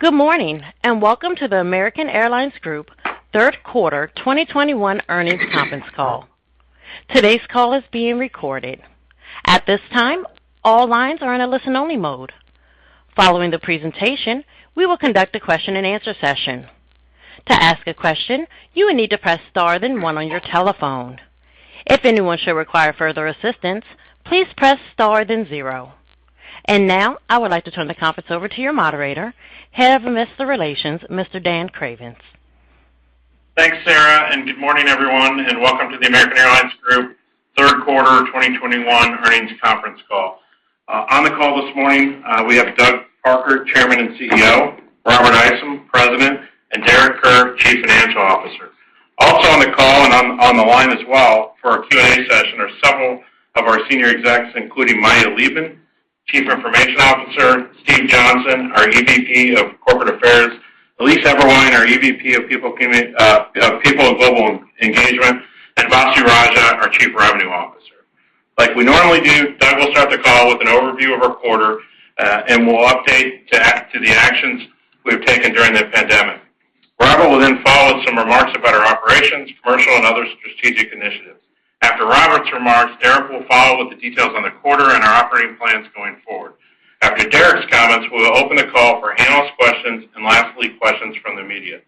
Good morning, and welcome to the American Airlines Group third quarter 2021 earnings conference call. Today's call is being recorded. At this time, all lines are in a listen-only mode. Following the presentation, we will conduct a question-and-answer session. To ask a question, you will need to press star then one on your telephone. If anyone should require further assistance, please press star then zero. Now, I would like to turn the conference over to your moderator, Head of Investor Relations, Mr. Dan Cravens. Thanks, Sarah, and good morning, everyone, and welcome to the American Airlines Group third quarter 2021 earnings conference call. On the call this morning, we have Doug Parker, Chairman and CEO, Robert Isom, President, and Derek Kerr, Chief Financial Officer. Also on the call and on the line as well for our Q&A session are several of our senior execs, including Maya Leibman, Chief Information Officer, Steve Johnson, our EVP of Corporate Affairs, Elise Eberwein, our EVP of People and Global Engagement, and Vasu Raja, our Chief Revenue Officer. Like we normally do, Doug will start the call with an overview of our quarter, and we'll update to the actions we've taken during the pandemic. Robert will then follow with some remarks about our operations, commercial, and other strategic initiatives. After Robert's remarks, Derek will follow with the details on the quarter and our operating plans going forward. After Derek's comments, we will open the call for analyst questions and lastly, questions from the media.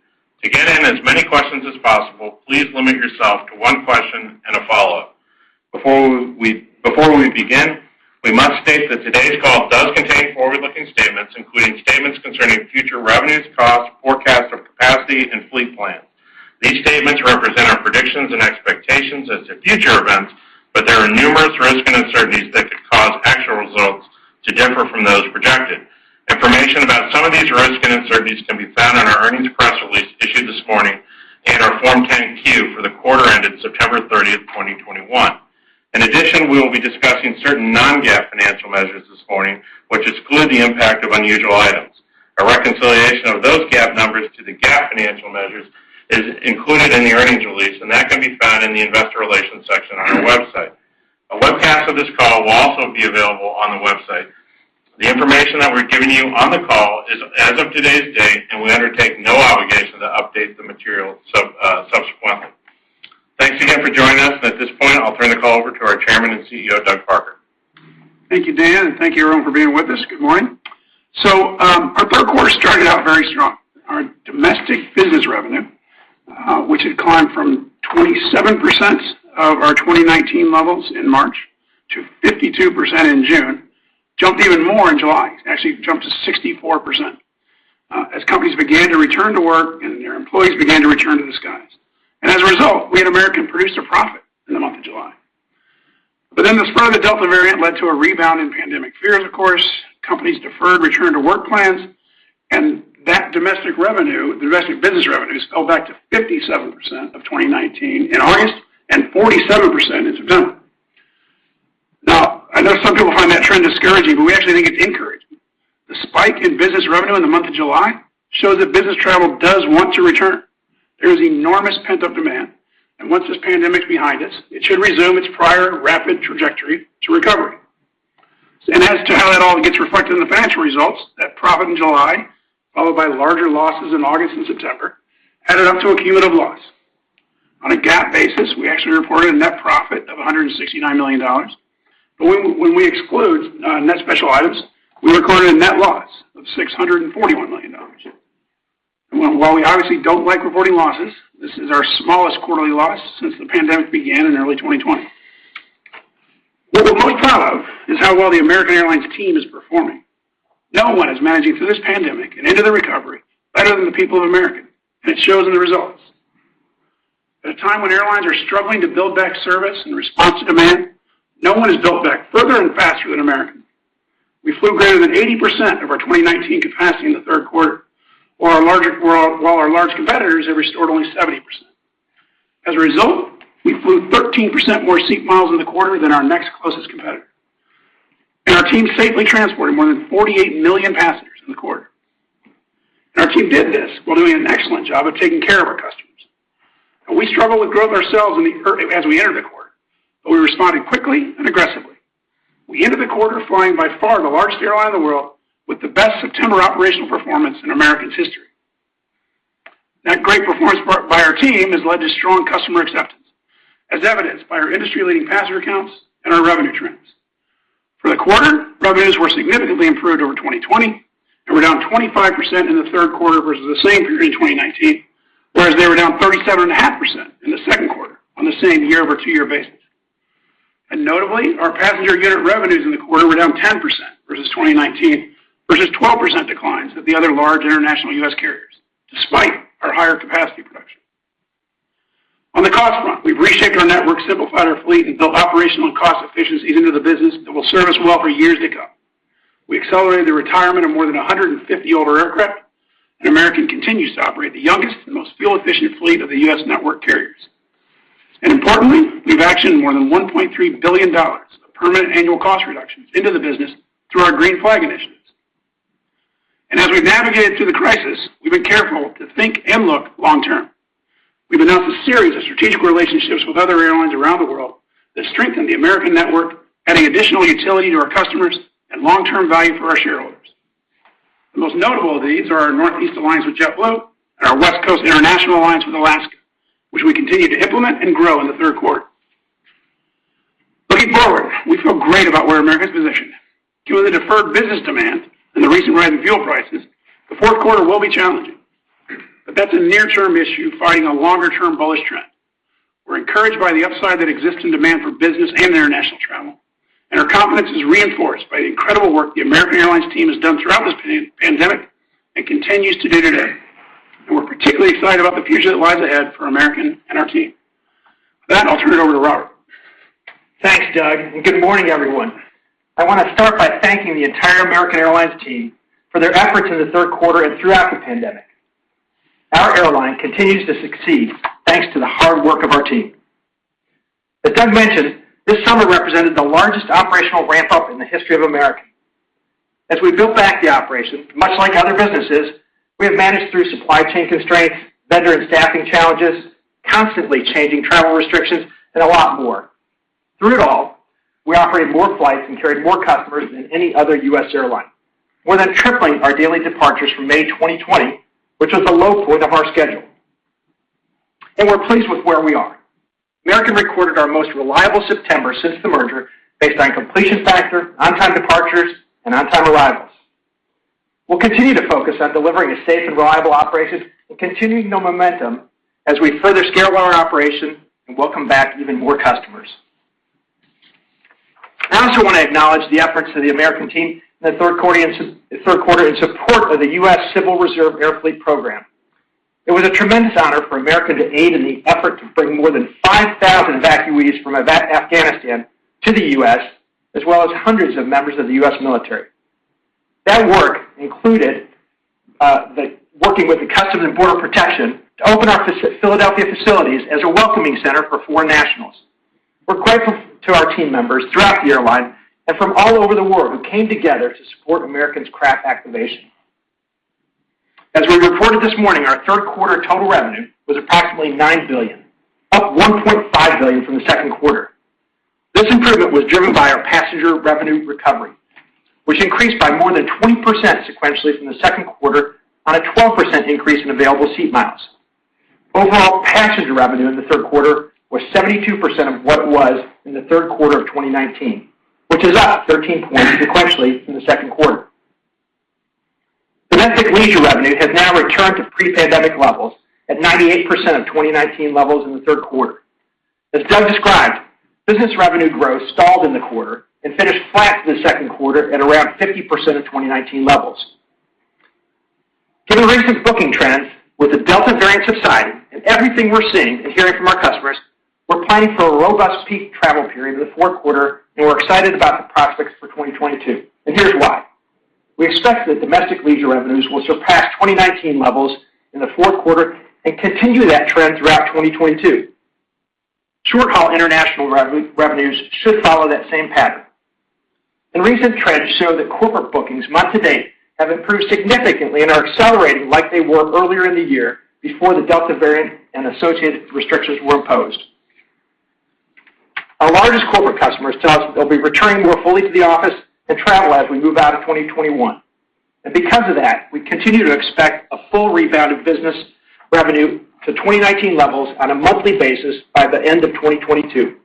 To get in as many questions as possible, please limit yourself to one question and a follow-up. Before we begin, we must state that today's call does contain forward-looking statements, including statements concerning future revenues, costs, forecasts of capacity, and fleet plans. These statements represent our predictions and expectations as to future events, but there are numerous risks and uncertainties that could cause actual results to differ from those projected. Information about some of these risks and uncertainties can be found in our earnings press release issued this morning and our Form 10-Q for the quarter ended September 30th, 2021. In addition, we will be discussing certain non-GAAP financial measures this morning, which exclude the impact of unusual items. A reconciliation of those GAAP numbers to the GAAP financial measures is included in the earnings release, and that can be found in the investor relations section on our website. A webcast of this call will also be available on the website. The information that we're giving you on the call is as of today's date, and we undertake no obligation to update the material subsequently. Thanks again for joining us, and at this point, I'll turn the call over to our Chairman and CEO, Doug Parker. Thank you, Dan. Thank you everyone for being with us. Good morning. Our third quarter started out very strong. Our domestic business revenue, which had climbed from 27% of our 2019 levels in March to 52% in June, jumped even more in July. Actually, it jumped to 64% as companies began to return to work and their employees began to return to the skies. As a result, we at American produced a profit in the month of July. The spread of the Delta variant led to a rebound in pandemic fears, of course. Companies deferred return to work plans, and that domestic revenue, domestic business revenues, fell back to 57% of 2019 in August and 47% in September. Now, I know some people find that trend discouraging, but we actually think it's encouraging. The spike in business revenue in the month of July shows that business travel does want to return. There is enormous pent-up demand. Once this pandemic is behind us, it should resume its prior rapid trajectory to recovery. As to how that all gets reflected in the financial results, that profit in July, followed by larger losses in August and September, added up to a cumulative loss. On a GAAP basis, we actually reported a net profit of $169 million. When we exclude net special items, we recorded a net loss of $641 million. While we obviously don't like reporting losses, this is our smallest quarterly loss since the pandemic began in early 2020. What we're most proud of is how well the American Airlines team is performing. No one is managing through this pandemic and into the recovery better than the people of American, it shows in the results. At a time when airlines are struggling to build back service in response to demand, no one has built back further and faster than American. We flew greater than 80% of our 2019 capacity in the third quarter, while our large competitors have restored only 70%. As a result, we flew 13% more seat miles in the quarter than our next closest competitor. Our team safely transported more than 48 million passengers in the quarter. Our team did this while doing an excellent job of taking care of our customers. We struggled with growth ourselves as we entered the quarter, but we responded quickly and aggressively. We ended the quarter flying by far the largest airline in the world with the best September operational performance in American's history. That great performance by our team has led to strong customer acceptance, as evidenced by our industry-leading passenger counts and our revenue trends. For the quarter, revenues were significantly improved over 2020 and were down 25% in the third quarter versus the same period in 2019, whereas they were down 37.5% in the second quarter on the same year-over-two-year basis. Notably, our passenger unit revenues in the quarter were down 10% versus 2019, versus 12% declines at the other large international U.S. carriers, despite our higher capacity production. On the cost front, we've reshaped our network, simplified our fleet, and built operational and cost efficiencies into the business that will serve us well for years to come. We accelerated the retirement of more than 150 older aircraft, and American continues to operate the youngest and most fuel-efficient fleet of the U.S. network carriers. Importantly, we've actioned more than $1.3 billion of permanent annual cost reductions into the business through our Green Flag initiatives. As we've navigated through the crisis, we've been careful to think and look long-term. We've announced a series of strategic relationships with other airlines around the world that strengthen the American network, adding additional utility to our customers and long-term value for our shareholders. The most notable of these are our Northeast Alliance with JetBlue and our West Coast International Alliance with Alaska, which we continue to implement and grow in the third quarter. Looking forward, we feel great about where American's positioned. Due to the deferred business demand and the recent rise in fuel prices, the fourth quarter will be challenging. That's a near-term issue fighting a longer-term bullish trend. We're encouraged by the upside that exists in demand for business and international travel, and our confidence is reinforced by the incredible work the American Airlines team has done throughout this pandemic and continues to do today. We're particularly excited about the future that lies ahead for American and our team. With that, I'll turn it over to Robert. Thanks, Doug. Good morning, everyone. I want to start by thanking the entire American Airlines team for their efforts in the third quarter and throughout the pandemic. Our airline continues to succeed thanks to the hard work of our team. As Doug mentioned, this summer represented the largest operational ramp-up in the history of American. As we built back the operation, much like other businesses, we have managed through supply chain constraints, vendor and staffing challenges, constantly changing travel restrictions, and a lot more. Through it all, we operated more flights and carried more customers than any other U.S. airline, more than tripling our daily departures from May 2020, which was the low point of our schedule. We're pleased with where we are. American recorded our most reliable September since the merger based on completion factor, on-time departures, and on-time arrivals. We'll continue to focus on delivering a safe and reliable operation and continuing the momentum as we further scale our operation and welcome back even more customers. I also want to acknowledge the efforts of the American team in the third quarter in support of the U.S. Civil Reserve Air Fleet program. It was a tremendous honor for American to aid in the effort to bring more than 5,000 evacuees from Afghanistan to the U.S., as well as hundreds of members of the U.S. military. That work included working with the Customs and Border Protection to open our Philadelphia facilities as a welcoming center for foreign nationals. We're grateful to our team members throughout the airline and from all over the world who came together to support American's CRAF activation. As we reported this morning, our third quarter total revenue was approximately $9 billion, up $1.5 billion from the second quarter. This improvement was driven by our passenger revenue recovery, which increased by more than 20% sequentially from the second quarter on a 12% increase in available seat miles. Overall passenger revenue in the third quarter was 72% of what it was in the third quarter of 2019, which is up 13 points sequentially from the second quarter. Domestic leisure revenue has now returned to pre-pandemic levels at 98% of 2019 levels in the third quarter. As Doug described, business revenue growth stalled in the quarter and finished flat to the second quarter at around 50% of 2019 levels. Given recent booking trends with the Delta variant subsiding and everything we're seeing and hearing from our customers, we're planning for a robust peak travel period in the fourth quarter, and we're excited about the prospects for 2022. Here's why. We expect that domestic leisure revenues will surpass 2019 levels in the fourth quarter and continue that trend throughout 2022. Short-haul international revenues should follow that same pattern. Recent trends show that corporate bookings month to date have improved significantly and are accelerating like they were earlier in the year before the Delta variant and associated restrictions were imposed. Our largest corporate customers tell us they'll be returning more fully to the office and travel as we move out of 2021. Because of that, we continue to expect a full rebound of business revenue to 2019 levels on a monthly basis by the end of 2022.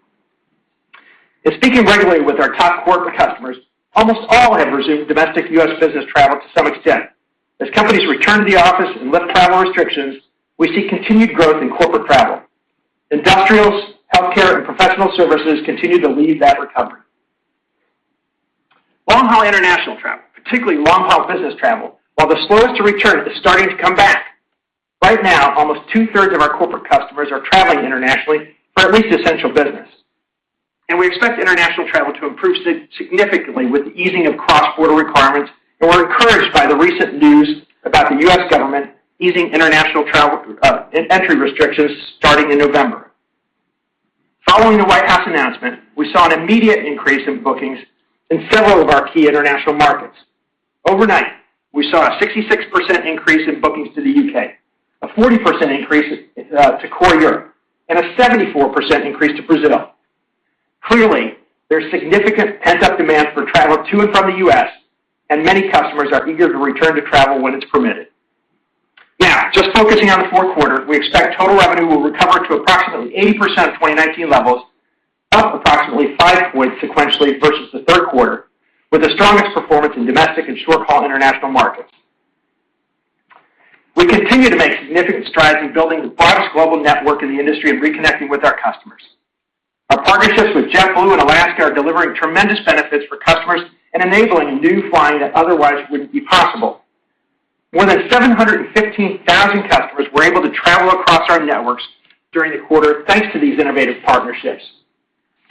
In speaking regularly with our top corporate customers, almost all have resumed domestic U.S. business travel to some extent. As companies return to the office and lift travel restrictions, we see continued growth in corporate travel. Industrials, healthcare, and professional services continue to lead that recovery. Long-haul international travel, particularly long-haul business travel, while the slowest to return, is starting to come back. Right now, almost 2/3 of our corporate customers are traveling internationally for at least essential business. We expect international travel to improve significantly with the easing of cross-border requirements, and we're encouraged by the recent news about the U.S. government easing international travel entry restrictions starting in November. Following the White House announcement, we saw an immediate increase in bookings in several of our key international markets. Overnight, we saw a 66% increase in bookings to the U.K., a 40% increase to core Europe, and a 74% increase to Brazil. Clearly, there's significant pent-up demand for travel to and from the U.S., and many customers are eager to return to travel when it's permitted. Now, just focusing on the fourth quarter, we expect total revenue will recover to approximately 80% of 2019 levels, up approximately 5 points sequentially versus the third quarter, with the strongest performance in domestic and short-haul international markets. We continue to make significant strides in building the broadest global network in the industry and reconnecting with our customers. Our partnerships with JetBlue and Alaska are delivering tremendous benefits for customers and enabling new flying that otherwise wouldn't be possible. More than 715,000 customers were able to travel across our networks during the quarter, thanks to these innovative partnerships.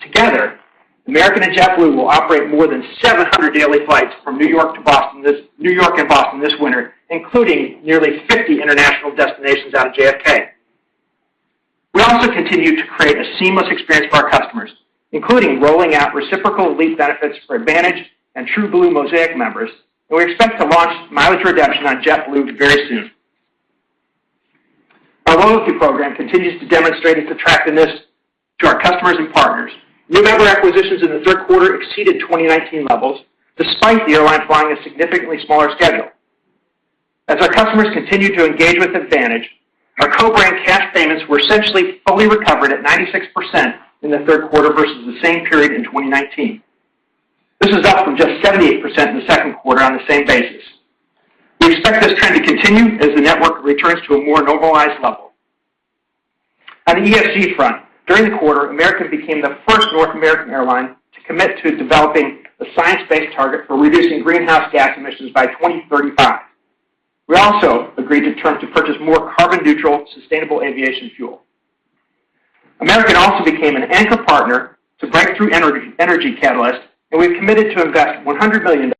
Together, American and JetBlue will operate more than 700 daily flights from New York and Boston this winter, including nearly 50 international destinations out of JFK. We also continue to create a seamless experience for our customers, including rolling out reciprocal elite benefits for AAdvantage and TrueBlue Mosaic members, and we expect to launch mileage redemption on JetBlue very soon. Our loyalty program continues to demonstrate its attractiveness to our customers and partners. New member acquisitions in the third quarter exceeded 2019 levels, despite the airline flying a significantly smaller schedule. As our customers continue to engage with AAdvantage, our co-brand cash payments were essentially fully recovered at 96% in the third quarter versus the same period in 2019. This is up from just 78% in the second quarter on the same basis. We expect this trend to continue as the network returns to a more normalized level. On the ESG front, during the quarter, American became the first North American airline to commit to developing a science-based target for reducing greenhouse gas emissions by 2035. We also agreed in turn to purchase more carbon-neutral, sustainable aviation fuel. American also became an anchor partner to Breakthrough Energy Catalyst, and we've committed to invest $100 million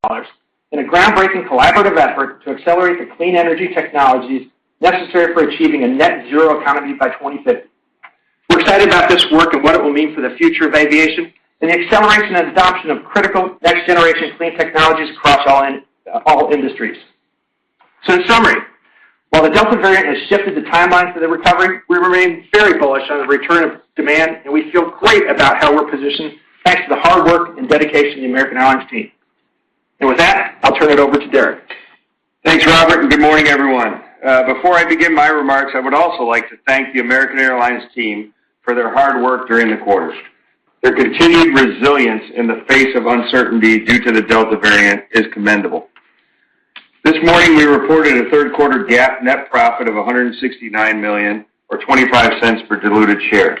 in a groundbreaking collaborative effort to accelerate the clean energy technologies necessary for achieving a net zero economy by 2050. We're excited about this work and what it will mean for the future of aviation and the acceleration and adoption of critical next-generation clean technologies across all industries. In summary, while the Delta variant has shifted the timeline for the recovery, we remain very bullish on the return of demand, and we feel great about how we're positioned thanks to the hard work and dedication of the American Airlines team. With that, I'll turn it over to Derek. Thanks, Robert, and good morning, everyone. Before I begin my remarks, I would also like to thank the American Airlines team for their hard work during the quarter. Their continued resilience in the face of uncertainty due to the Delta variant is commendable. This morning, we reported a third quarter GAAP net profit of $169 million or $0.25 per diluted share.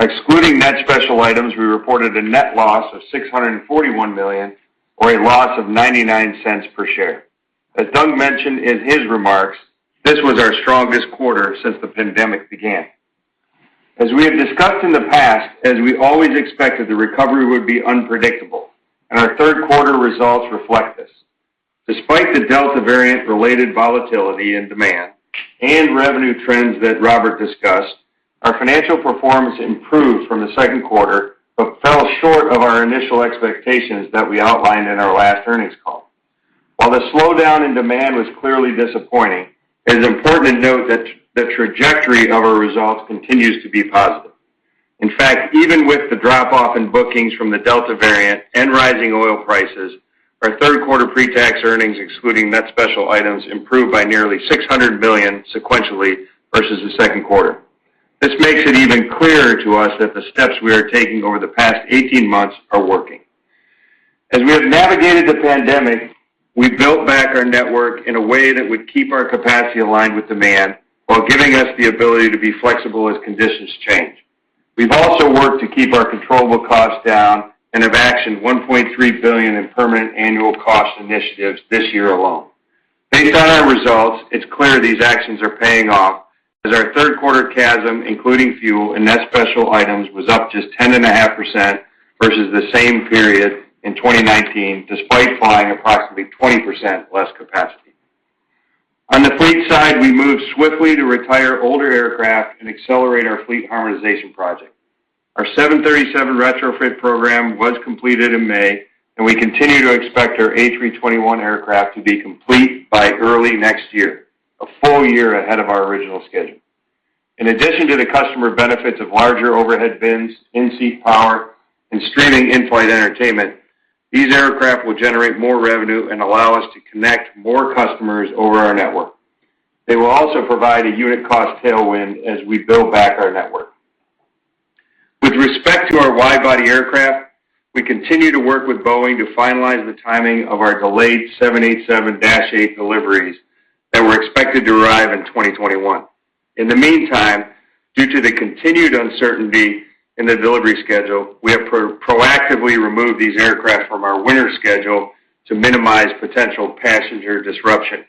Excluding net special items, we reported a net loss of $641 million or a loss of $0.99 per share. As Doug mentioned in his remarks, this was our strongest quarter since the pandemic began. As we have discussed in the past, as we always expected, the recovery would be unpredictable, and our third quarter results reflect this. Despite the Delta variant-related volatility in demand and revenue trends that Robert discussed, our financial performance improved from the second quarter but fell short of our initial expectations that we outlined in our last earnings call. While the slowdown in demand was clearly disappointing, it is important to note that the trajectory of our results continues to be positive. In fact, even with the drop-off in bookings from the Delta variant and rising oil prices, our third quarter pre-tax earnings excluding net special items improved by nearly $600 million sequentially versus the second quarter. This makes it even clearer to us that the steps we are taking over the past 18 months are working. As we have navigated the pandemic, we built back our network in a way that would keep our capacity aligned with demand while giving us the ability to be flexible as conditions change. We've also worked to keep our controllable costs down and have actioned $1.3 billion in permanent annual cost initiatives this year alone. Based on our results, it's clear these actions are paying off, as our third quarter CASM, including fuel and net special items, was up just 10.5% versus the same period in 2019, despite flying approximately 20% less capacity. On the fleet side, we moved swiftly to retire older aircraft and accelerate our fleet harmonization project. Our 737 retrofit program was completed in May, and we continue to expect our A321 aircraft to be complete by early next year, a full year ahead of our original schedule. In addition to the customer benefits of larger overhead bins, in-seat power, and streaming in-flight entertainment, these aircraft will generate more revenue and allow us to connect more customers over our network. They will also provide a unit cost tailwind as we build back our network. With respect to our wide-body aircraft, we continue to work with Boeing to finalize the timing of our delayed 787-8 deliveries that were expected to arrive in 2021. In the meantime, due to the continued uncertainty in the delivery schedule, we have proactively removed these aircraft from our winter schedule to minimize potential passenger disruption.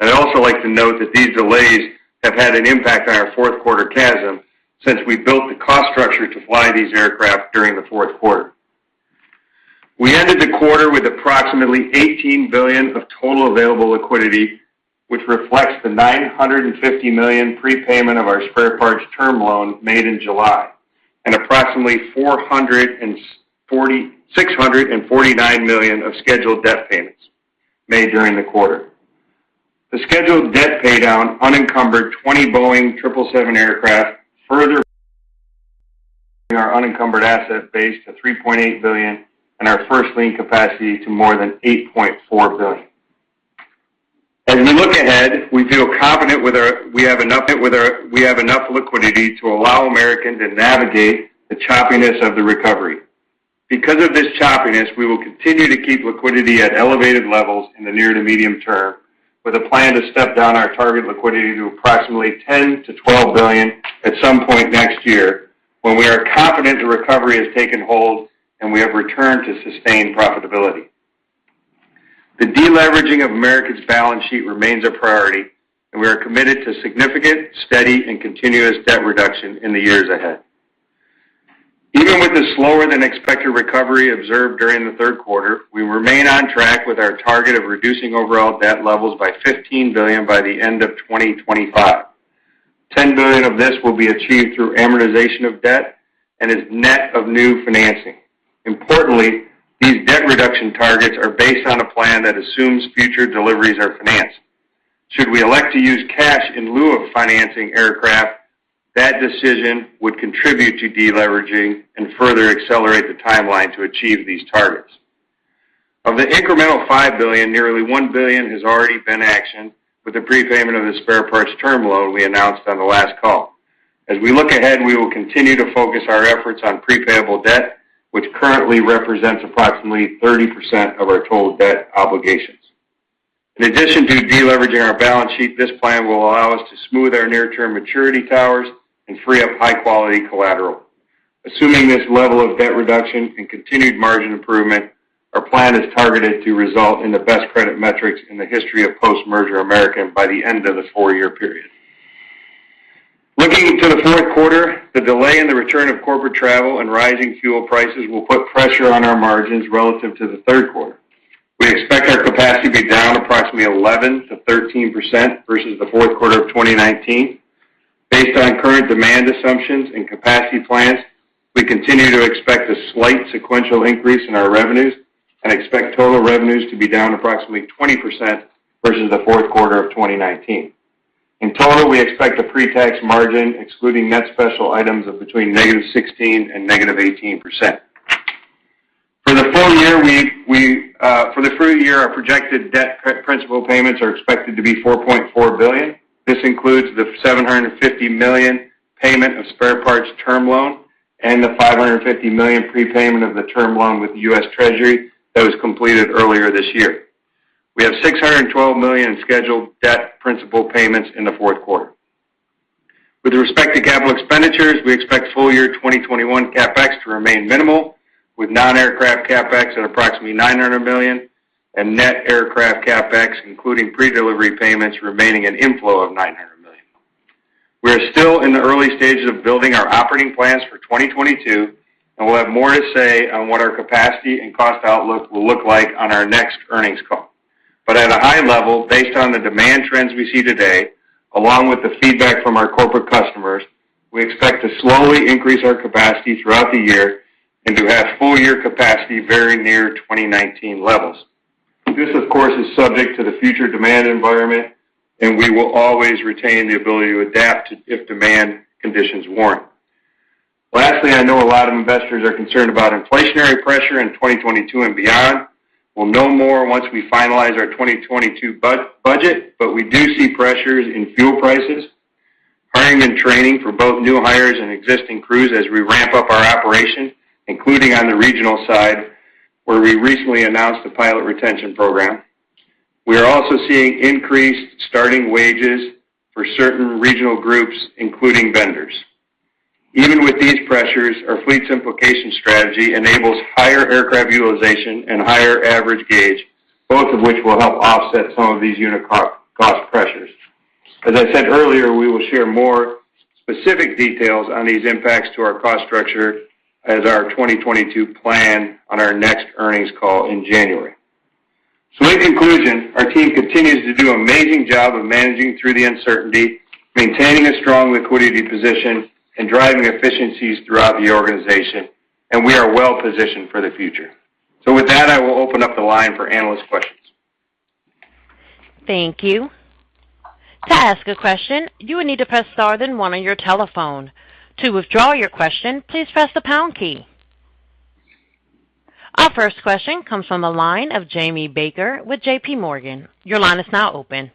I'd also like to note that these delays have had an impact on our fourth quarter CASM since we built the cost structure to fly these aircraft during the fourth quarter. We ended the quarter with approximately $18 billion of total available liquidity, which reflects the $950 million prepayment of our spare parts term loan made in July and approximately $649 million of scheduled debt payments made during the quarter. The scheduled debt paydown unencumbered 20 Boeing 777 aircraft, further our unencumbered asset base to $3.8 billion and our first lien capacity to more than $8.4 billion. As we look ahead, we feel confident we have enough liquidity to allow American to navigate the choppiness of the recovery. Because of this choppiness, we will continue to keep liquidity at elevated levels in the near to medium-term with a plan to step down our target liquidity to approximately $10 billion-$12 billion at some point next year when we are confident the recovery has taken hold and we have returned to sustained profitability. The deleveraging of American's balance sheet remains a priority, and we are committed to significant, steady, and continuous debt reduction in the years ahead. Even with the slower-than-expected recovery observed during the third quarter, we remain on track with our target of reducing overall debt levels by $15 billion by the end of 2025. $10 billion of this will be achieved through amortization of debt and is net of new financing. Importantly, these debt reduction targets are based on a plan that assumes future deliveries are financed. Should we elect to use cash in lieu of financing aircraft, that decision would contribute to deleveraging and further accelerate the timeline to achieve these targets. Of the incremental $5 billion, nearly $1 billion has already been actioned with the prepayment of the spare parts term loan we announced on the last call. As we look ahead, we will continue to focus our efforts on prepayable debt which currently represents approximately 30% of our total debt obligations. In addition to deleveraging our balance sheet, this plan will allow us to smooth our near-term maturity towers and free up high-quality collateral. Assuming this level of debt reduction and continued margin improvement, our plan is targeted to result in the best credit metrics in the history of post-merger American by the end of the four-year period. Looking to the third quarter, the delay in the return of corporate travel and rising fuel prices will put pressure on our margins relative to the third quarter. We expect our capacity to be down approximately 11%-13% versus the fourth quarter of 2019. Based on current demand assumptions and capacity plans, we continue to expect a slight sequential increase in our revenues and expect total revenues to be down approximately 20% versus the fourth quarter of 2019. In total, we expect a pre-tax margin excluding net special items of between -16% and -18%. For the full year, our projected debt principal payments are expected to be $4.4 billion. This includes the $750 million payment of spare parts term loan and the $550 million prepayment of the term loan with the U.S. Treasury that was completed earlier this year. We have $612 million in scheduled debt principal payments in the fourth quarter. With respect to capital expenditures, we expect full-year 2021 CapEx to remain minimal, with non-aircraft CapEx at approximately $900 million and net aircraft CapEx, including pre-delivery payments, remaining an inflow of $900 million. We are still in the early stages of building our operating plans for 2022, and we'll have more to say on what our capacity and cost outlook will look like on our next earnings call. At a high level, based on the demand trends we see today, along with the feedback from our corporate customers, we expect to slowly increase our capacity throughout the year and to have full-year capacity very near 2019 levels. This, of course, is subject to the future demand environment, and we will always retain the ability to adapt if demand conditions warrant. Lastly, I know a lot of investors are concerned about inflationary pressure in 2022 and beyond. We'll know more once we finalize our 2022 budget, but we do see pressures in fuel prices, hiring and training for both new hires and existing crews as we ramp up our operation, including on the regional side, where we recently announced a pilot retention program. We are also seeing increased starting wages for certain regional groups, including vendors. Even with these pressures, our fleet simplification strategy enables higher aircraft utilization and higher average gauge, both of which will help offset some of these unit cost pressures. As I said earlier, we will share more specific details on these impacts to our cost structure as our 2022 plan on our next earnings call in January. In conclusion, our team continues to do an amazing job of managing through the uncertainty, maintaining a strong liquidity position, and driving efficiencies throughout the organization, and we are well-positioned for the future. With that, I will open up the line for analyst questions. Thank you. To ask a question, you would need to press star then one on your telephone. To withdraw your question, please press the pound key. Our first question comes from the line of Jamie Baker with JPMorgan. Your line is now open.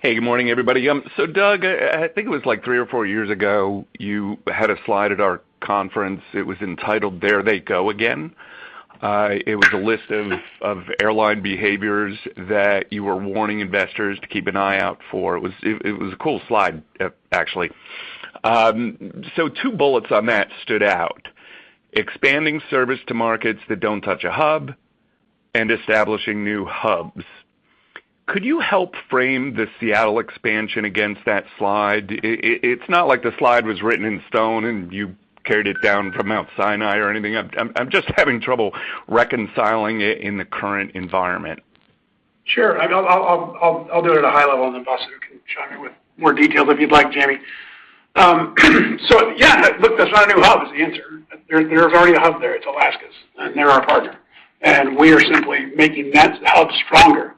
Hey, good morning, everybody. Doug, I think it was like three or four years ago, you had a slide at our conference. It was entitled, There They Go Again. It was a list of airline behaviors that you were warning investors to keep an eye out for. It was a cool slide, actually. Two bullets on that stood out. Expanding service to markets that don't touch a hub and establishing new hubs. Could you help frame the Seattle expansion against that slide? It's not like the slide was written in stone and you carried it down from Mount Sinai or anything. I'm just having trouble reconciling it in the current environment. Sure. I'll do it at a high level and then Vasu can chime in with more details if you'd like, Jamie. Yeah, look, that's not a new hub is the answer. There's already a hub there. It's Alaska's, and they're our partner. We are simply making that hub stronger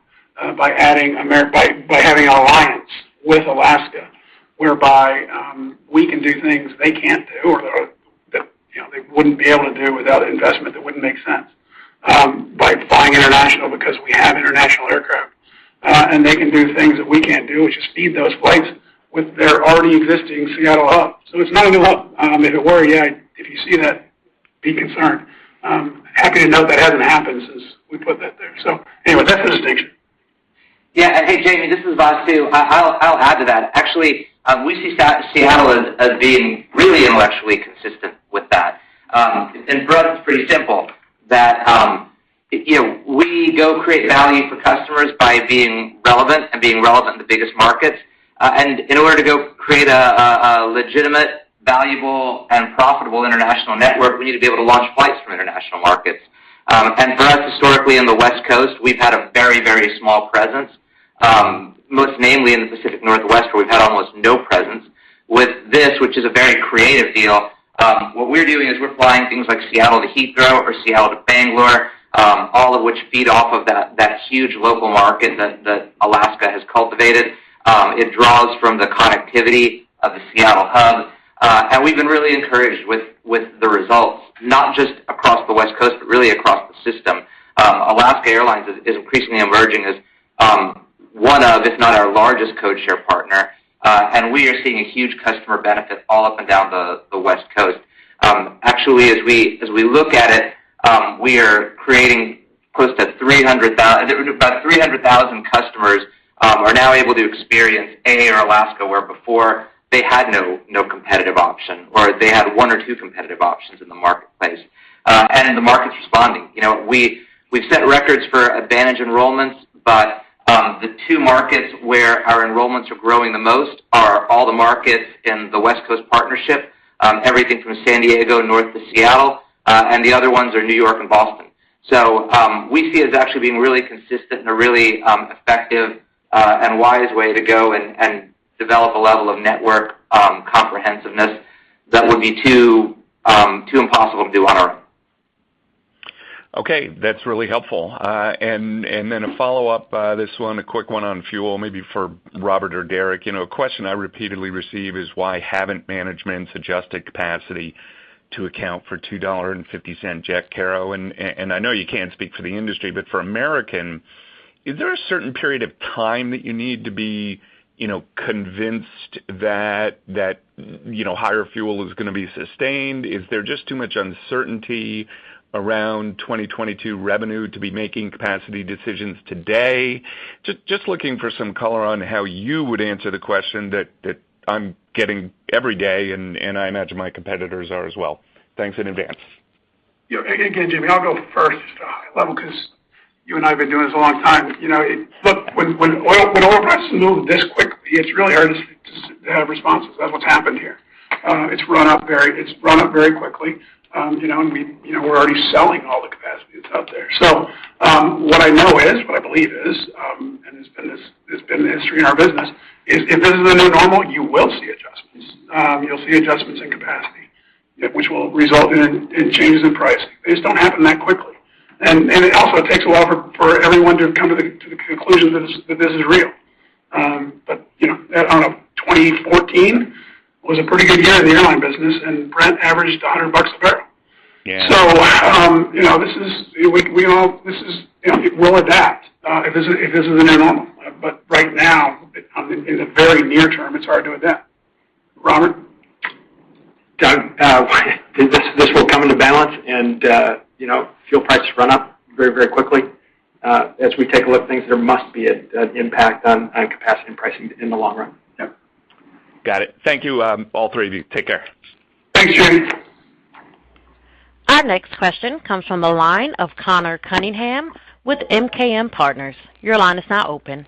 by having an alliance with Alaska, whereby we can do things they can't do or that they wouldn't be able to do without investment that wouldn't make sense. By flying international because we have international aircraft. They can do things that we can't do, which is feed those flights with their already existing Seattle hub. It's not a new hub. If it were, yeah, if you see that, be concerned. Happy to note that hasn't happened since we put that there. Anyway, that's the distinction. Yeah. Hey, Jamie, this is Vasu. I'll add to that. Actually, we see Seattle as being really intellectually consistent with that. For us, it's pretty simple. We go create value for customers by being relevant and being relevant in the biggest markets. In order to go create a legitimate, valuable, and profitable international network, we need to be able to launch flights from international markets. For us, historically, in the West Coast, we've had a very, very small presence, most namely in the Pacific Northwest, where we've had almost no presence. With this, which is a very creative deal, what we're doing is we're flying things like Seattle to Heathrow or Seattle to Bangalore, all of which feed off of that huge local market that Alaska has cultivated. It draws from the connectivity of the Seattle hub. We've been really encouraged with the results, not just across the West Coast, but really across the system. Alaska Airlines is increasingly emerging as one of, if not our largest codeshare partner. We are seeing a huge customer benefit all up and down the West Coast. Actually, as we look at it, we are creating close to about 300,000 customers are now able to experience AA or Alaska, where before they had no competitive option, or they had one or two competitive options in the marketplace. The market's responding. We've set records for AAdvantage enrollments, but the two markets where our enrollments are growing the most are all the markets in the West Coast Partnership, everything from San Diego north to Seattle, and the other ones are New York and Boston. We see it as actually being really consistent and a really effective and wise way to go and develop a level of network comprehensiveness that would be too impossible to do on our own. Okay. That's really helpful. Then a follow-up, this one, a quick one on fuel, maybe for Robert or Derek. A question I repeatedly receive is why haven't managements adjusted capacity to account for $2.50 jet kero? I know you can't speak for the industry, but for American, is there a certain period of time that you need to be convinced that higher fuel is going to be sustained? Is there just too much uncertainty around 2022 revenue to be making capacity decisions today? Just looking for some color on how you would answer the question that I'm getting every day, and I imagine my competitors are as well. Thanks in advance. Again, Jamie, I'll go first, just a high level because you and I have been doing this a long time. Look, when oil prices move this quickly, it's really hard to have responses. That's what's happened here. It's run up very quickly, and we're already selling all the capacity that's out there. What I know is, what I believe is, and it's been the history in our business, is if this is the new normal, you will see adjustments. You'll see adjustments in capacity, which will result in changes in pricing. They just don't happen that quickly. It also takes a while for everyone to come to the conclusion that this is real. I don't know, 2014 was a pretty good year in the airline business, and Brent averaged $100 a barrel. We'll adapt, if this is the new normal. Right now, in the very near-term, it's hard to adapt. Robert? This will come into balance and fuel prices run up very, very quickly. As we take a look at things, there must be an impact on capacity and pricing in the long run. Yep. Got it. Thank you, all three of you. Take care. Thanks, Jamie. Our next question comes from the line of Conor Cunningham with MKM Partners. Your line is now open.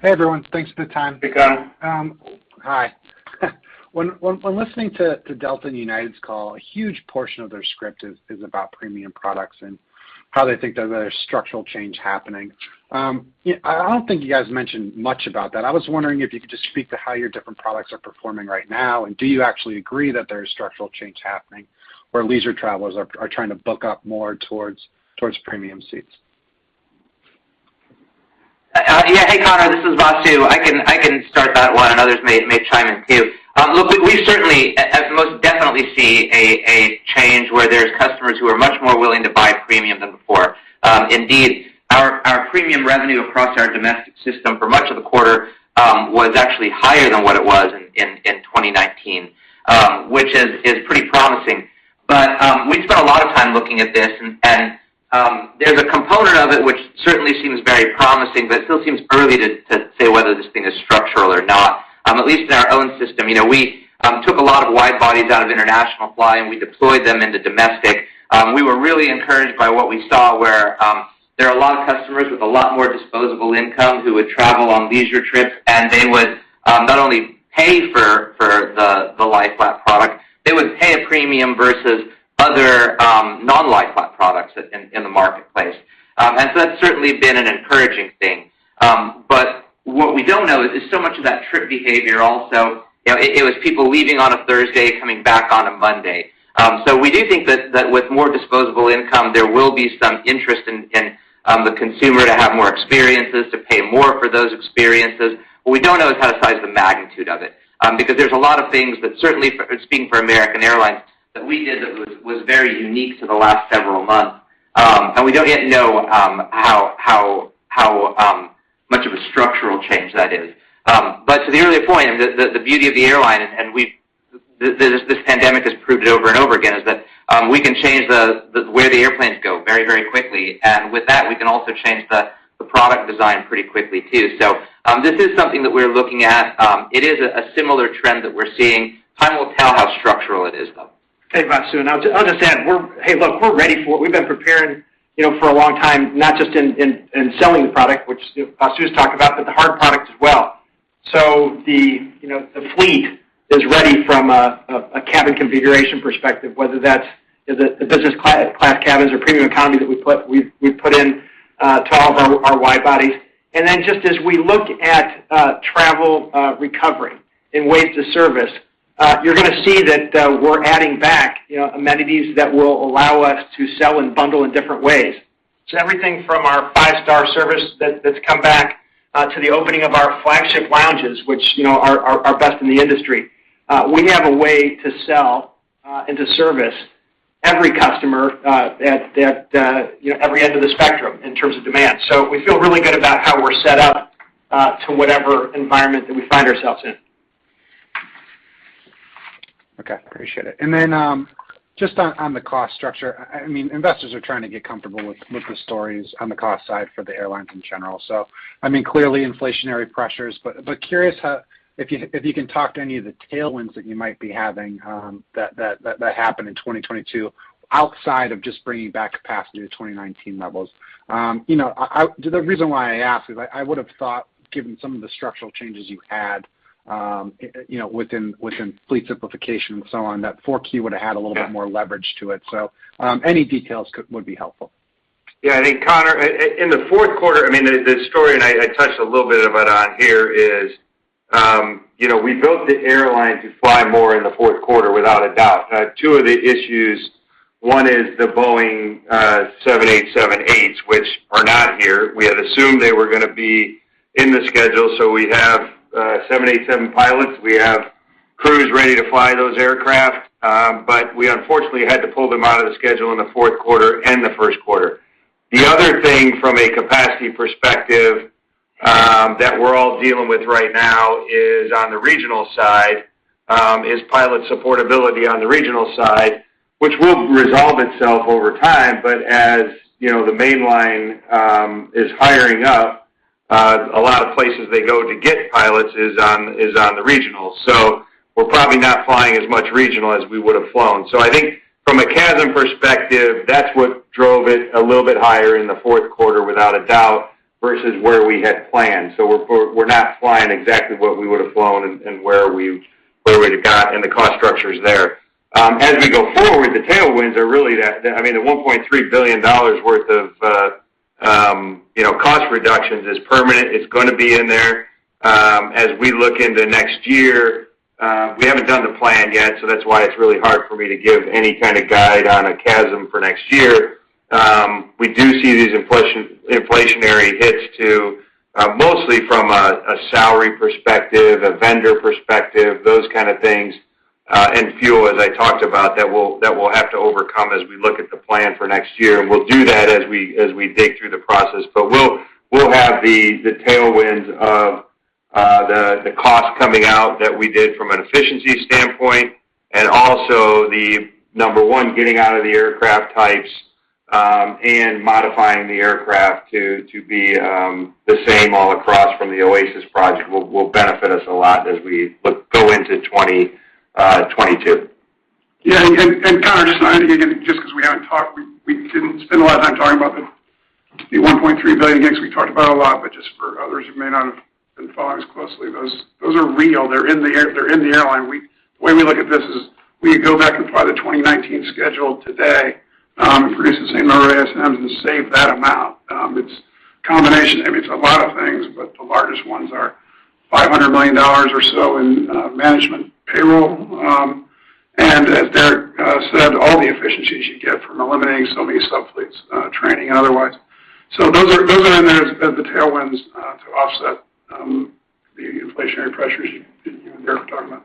Hey, everyone. Thanks for the time. Hey, Conor. Hi. When listening to Delta and United's call, a huge portion of their script is about premium products and how they think there's a structural change happening. I don't think you guys mentioned much about that. I was wondering if you could just speak to how your different products are performing right now, and do you actually agree that there is structural change happening where leisure travelers are trying to book up more towards premium seats? Yeah. Hey, Conor, this is Vasu. I can start that one, and others may chime in, too. Look, we certainly, as the most, definitely see a change where there's customers who are much more willing to buy premium than before. Indeed, our premium revenue across our domestic system for much of the quarter was actually higher than what it was in 2019, which is pretty promising. We spent a lot of time looking at this, and there's a component of it which certainly seems very promising, but it still seems early to say whether this thing is structural or not. At least in our own system, we took a lot of wide bodies out of international flying, and we deployed them into domestic. We were really encouraged by what we saw, where there are a lot of customers with a lot more disposable income who would travel on leisure trips, and they would not only pay for the lie-flat product, they would pay a premium versus other non-lie-flat products in the marketplace. That's certainly been an encouraging thing. What we don't know is so much of that trip behavior also, it was people leaving on a Thursday, coming back on a Monday. We do think that with more disposable income, there will be some interest in the consumer to have more experiences, to pay more for those experiences. What we don't know is how to size the magnitude of it because there's a lot of things that certainly, speaking for American Airlines, that we did that was very unique to the last several months. We don't yet know how much of a structural change that is. To the earlier point, the beauty of the airline, and this pandemic has proved it over and over again, is that we can change where the airplanes go very, very quickly. With that, we can also change the product design pretty quickly, too. This is something that we're looking at. It is a similar trend that we're seeing. Time will tell how structural it is, though. Thanks, Vasu. I'll just add, we're, hey, look, we're ready for it. We've been preparing for a long time, not just in selling the product, which Vasu's talked about, but the hard product as well. The fleet is ready from a cabin configuration perspective, whether that's the business class cabins or premium economy that we put in to all of our wide-bodies. Just as we look at travel recovery and ways to service, you're going to see that we're adding back amenities that will allow us to sell and bundle in different ways. Everything from our five-star service that's come back to the opening of our Flagship Lounges, which are best in the industry. We have a way to sell and to service every customer at every end of the spectrum in terms of demand. We feel really good about how we're set up to whatever environment that we find ourselves in. Okay, appreciate it. Just on the cost structure, investors are trying to get comfortable with the stories on the cost side for the airlines in general. Clearly inflationary pressures, but curious if you can talk to any of the tailwinds that you might be having that happened in 2022 outside of just bringing back capacity to 2019 levels. The reason why I ask is I would've thought, given some of the structural changes you had within fleet simplification and so on, that 4Q would've had a little bit more leverage to it. Any details would be helpful. Yeah, I think Conor, in the fourth quarter, the story, and I touched a little bit of it on here is, we built the airline to fly more in the fourth quarter, without a doubt. Two of the issues, one is the Boeing 787-8s, which are not here. We had assumed they were going to be in the schedule, we have 787 pilots, we have crews ready to fly those aircraft. We unfortunately had to pull them out of the schedule in the fourth quarter and the first quarter. The other thing from a capacity perspective that we're all dealing with right now is on the regional side, is pilot supportability on the regional side, which will resolve itself over time, as the mainline is hiring up, a lot of places they go to get pilots is on the regional. We're probably not flying as much regional as we would've flown. I think from a CASM perspective, that's what drove it a little bit higher in the fourth quarter without a doubt, versus where we had planned. We're not flying exactly what we would've flown and where we'd have got in the cost structures there. As we go forward, the tailwinds are really. The $1.3 billion worth of cost reductions is permanent. It's going to be in there. As we look into next year, we haven't done the plan yet, so that's why it's really hard for me to give any kind of guide on a CASM for next year. We do see these inflationary hits too, mostly from a salary perspective, a vendor perspective, those kind of things, and fuel, as I talked about, that we'll have to overcome as we look at the plan for next year. We'll do that as we dig through the process. We'll have the tailwinds of the cost coming out that we did from an efficiency standpoint and also the number one, getting out of the aircraft types, and modifying the aircraft to be the same all across from the Project Oasis will benefit us a lot as we go into 2022. Conor, just nodding again, just because we haven't talked, we didn't spend a lot of time talking about the $1.3 billion gets, we talked about it a lot, just for others who may not have been following as closely, those are real. They're in the airline. The way we look at this is, we go back and fly the 2019 schedule today, increase the same number of ASMs, and save that amount. It's a combination. It's a lot of things, the largest ones are $500 million or so in management payroll. As Derek said, all the efficiencies you get from eliminating so many sub fleets, training and otherwise. Those are in there as the tailwinds to offset the inflationary pressures you and Derek were talking about.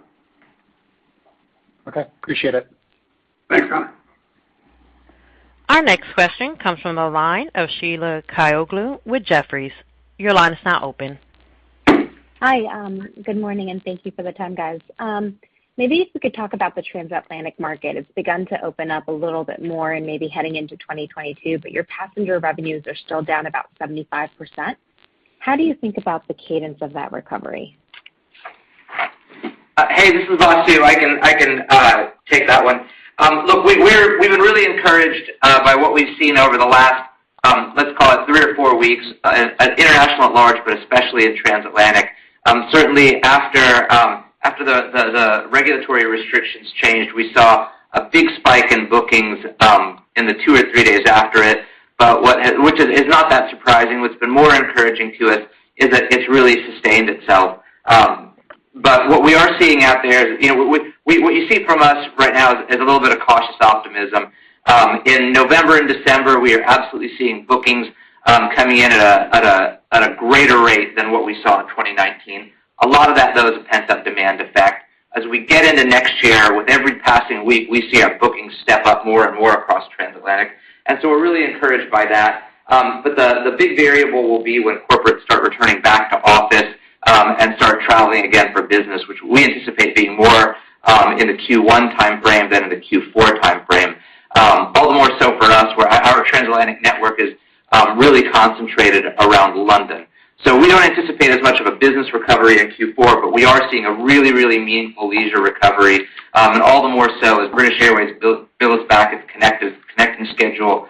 Okay. Appreciate it. Thanks, Conor. Our next question comes from the line of Sheila Kahyaoglu with Jefferies. Your line is now open. Hi, good morning. Thank you for the time, guys. Maybe if you could talk about the transatlantic market. It's begun to open up a little bit more and maybe heading into 2022, but your passenger revenues are still down about 75%. How do you think about the cadence of that recovery? Hey, this is Vasu. I can take that one. Look, we've been really encouraged by what we've seen over the last, let's call it three or four weeks, at international at large, especially in transatlantic. Certainly after the regulatory restrictions changed, we saw a big spike in bookings in the two or three days after it, which is not that surprising. What's been more encouraging to us is that it's really sustained itself. What you see from us right now is a little bit of cautious optimism. In November and December, we are absolutely seeing bookings coming in at a greater rate than what we saw in 2019. A lot of that, though, is a pent-up demand effect. As we get into next year, with every passing week, we see our bookings step up more and more across transatlantic. We're really encouraged by that. The big variable will be when corporates start returning back to office and start traveling again for business, which we anticipate being more in the Q1 timeframe than in the Q4 timeframe. All the more so for us, our transatlantic network is really concentrated around London. We don't anticipate as much of a business recovery in Q4, but we are seeing a really, really meaningful leisure recovery, and all the more so as British Airways builds back its connecting schedule.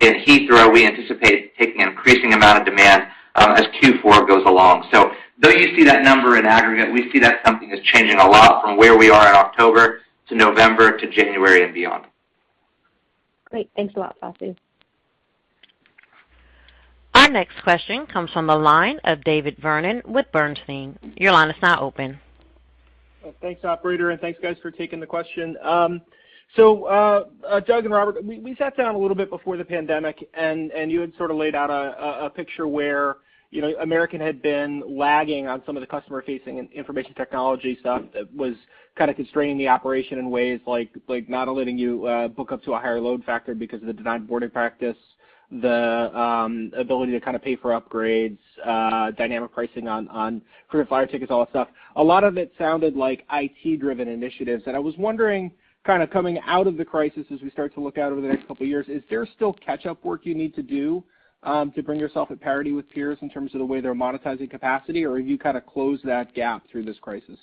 In Heathrow, we anticipate taking an increasing amount of demand as Q4 goes along. Though you see that number in aggregate, we see that something is changing a lot from where we are in October to November to January and beyond. Great. Thanks a lot, Vasu. Our next question comes from the line of David Vernon with Bernstein. Your line is now open. Thanks, operator. Thanks guys for taking the question. Doug and Robert, we sat down a little bit before the pandemic, and you had sort of laid out a picture where American had been lagging on some of the customer-facing and information technology stuff that was kind of constraining the operation in ways like not letting you book up to a higher load factor because of the denied boarding practice, the ability to kind of pay for upgrades, dynamic pricing on frequent flyer tickets, all that stuff. A lot of it sounded like IT-driven initiatives. I was wondering, kind of coming out of the crisis as we start to look out over the next couple of years, is there still catch-up work you need to do to bring yourself at parity with peers in terms of the way they're monetizing capacity, or have you kind of closed that gap through this crisis?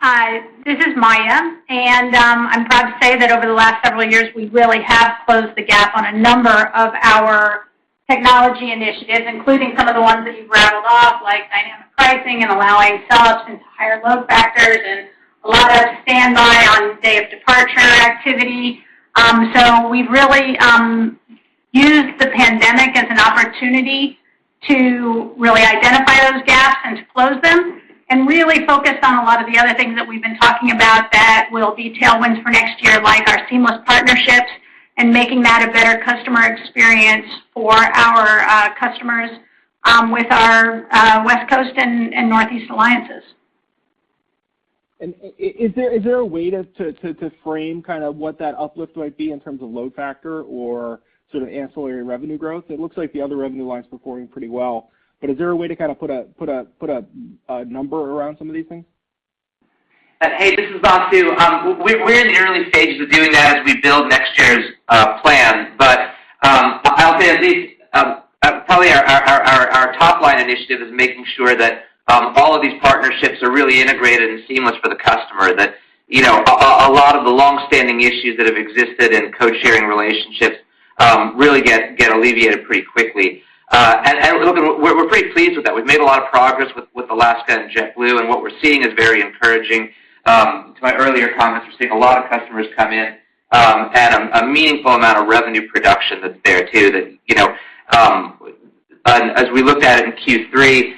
Hey, this is Maya, I'm proud to say that over the last several years, we really have closed the gap on a number of our technology initiatives, including some of the ones that you rattled off, like dynamic pricing and allowing sell-ups into higher load factors and a lot of standby on day of departure activity. We've really used the pandemic as an opportunity to really identify those gaps and to close them and really focus on a lot of the other things that we've been talking about that will be tailwinds for next year, like our seamless partnerships and making that a better customer experience for our customers with our West Coast and Northeast alliances. Is there a way to frame what that uplift might be in terms of load factor or sort of ancillary revenue growth? It looks like the other revenue line is performing pretty well, but is there a way to kind of put a number around some of these things? Hey, this is Vasu. We're in the early stages of doing that as we build next year's plan. I'll say at least probably our top-line initiative is making sure that all of these partnerships are really integrated and seamless for the customer that a lot of the long-standing issues that have existed in code-sharing relationships really get alleviated pretty quickly. Look, we're pretty pleased with that. We've made a lot of progress with Alaska and JetBlue, and what we're seeing is very encouraging. To my earlier comments, we're seeing a lot of customers come in at a meaningful amount of revenue production that's there too. As we looked at it in Q3,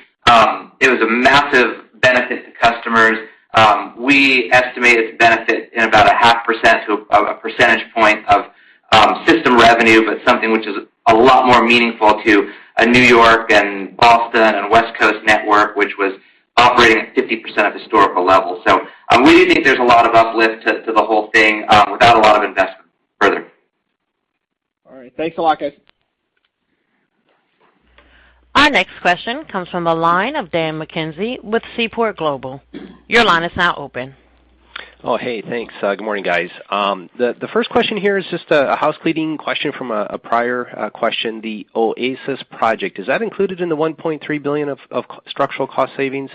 it was a massive benefit to customers. We estimate it's a benefit in about a 0.5% to a percentage point of system revenue, but something which is a lot more meaningful to a New York and Boston and West Coast network, which was operating at 50% of historical levels. We think there's a lot of uplift to the whole thing without a lot of investment further. All right. Thanks a lot, guys. Our next question comes from the line of Dan McKenzie with Seaport Global. Your line is now open. Oh, hey, thanks. Good morning, guys. The first question here is just a housecleaning question from a prior question. Project Oasis, is that included in the $1.3 billion of structural cost savings,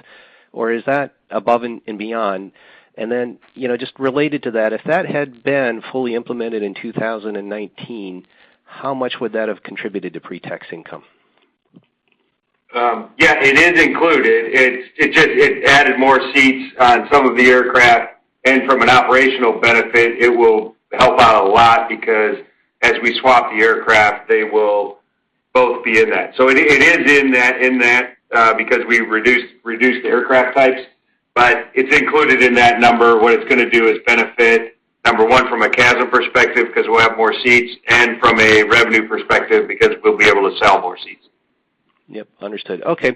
or is that above and beyond? Just related to that, if that had been fully implemented in 2019, how much would that have contributed to pre-tax income? Yeah, it is included. It added more seats on some of the aircraft, and from an operational benefit, it will help out a lot because as we swap the aircraft, they will both be in that. It is in that because we reduced the aircraft types, but it's included in that number. What it's going to do is benefit, number one, from a CASM perspective because we'll have more seats and from a revenue perspective because we'll be able to sell more seats. Yep, understood. Okay.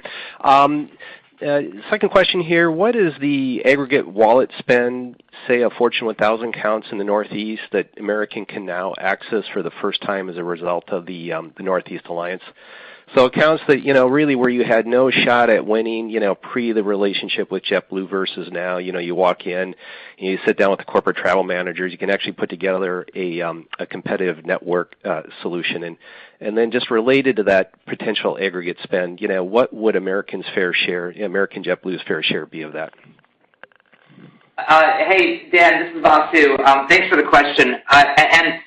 Second question here. What is the aggregate wallet spend, say, a Fortune 1000 accounts in the Northeast that American can now access for the first time as a result of the Northeast Alliance? Accounts that really where you had no shot at winning pre the relationship with JetBlue versus now you walk in and you sit down with the corporate travel managers, you can actually put together a competitive network solution. Just related to that potential aggregate spend, what would American JetBlue's fair share be of that? Hey, Dan, this is Vasu. Thanks for the question, and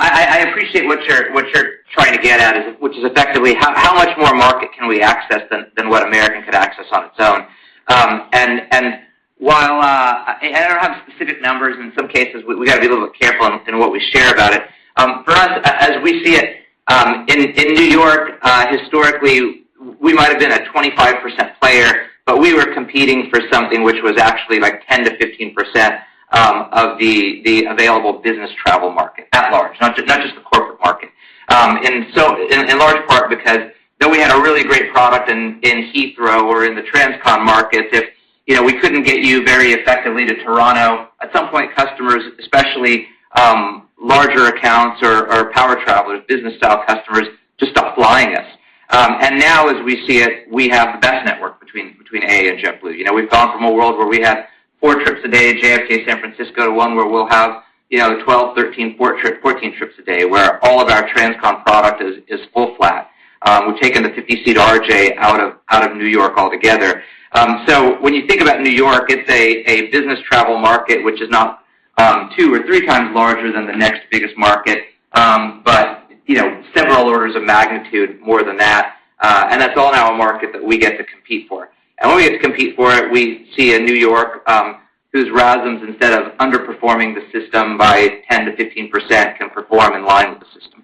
I appreciate what you're trying to get at, which is effectively how much more market can we access than what American could access on its own. I don't have specific numbers. In some cases, we've got to be a little careful in what we share about it. For us, as we see it, in New York, historically, we might have been a 25% player. We were competing for something which was actually like 10%-15% of the available business travel market at large, not just the corporate market. In large part because though we had a really great product in Heathrow or in the transcon markets, if we couldn't get you very effectively to Toronto, at some point, customers, especially larger accounts or power travelers, business style customers just stop flying us. Now as we see it, we have the best network between AA and JetBlue. We've gone from a world where we had four trips a day to JFK, San Francisco, to one where we'll have 12, 13, 14 trips a day, where all of our transcon product is full flat. We've taken the 50-seater RJ out of New York altogether. When you think about New York, it's a business travel market, which is not 2x or 3x larger than the next biggest market, but several orders of magnitude more than that. That's all now a market that we get to compete for. When we get to compete for it, we see in New York, whose RASMs, instead of underperforming the system by 10%-15%, can perform in line with the system.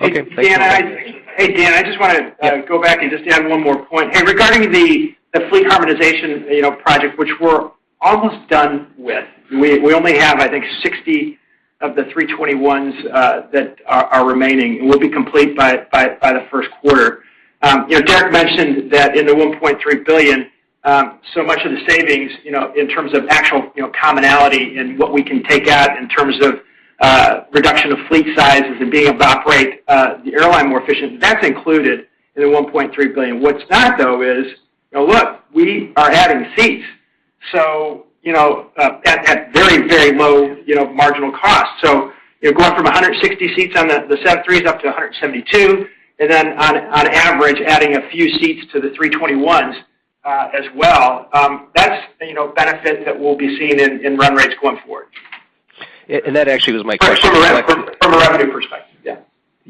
Okay. Thank you. Hey, Dan, I just want to go back and just add one more point. Hey, regarding the fleet harmonization project, which we're almost done with. We only have, I think, 60 of the 321s that are remaining, and we'll be complete by the first quarter. Derek mentioned that in the $1.3 billion, so much of the savings, in terms of actual commonality and what we can take out in terms of reduction of fleet sizes and being able to operate the airline more efficiently, that's included in the $1.3 billion. What's not, though, is look, we are adding seats at very, very low marginal cost. Going from 160 seats on the 73s up to 172, and then on average, adding a few seats to the 321s as well. That's a benefit that we'll be seeing in run rates going forward. That actually was my question. From a revenue perspective, yeah.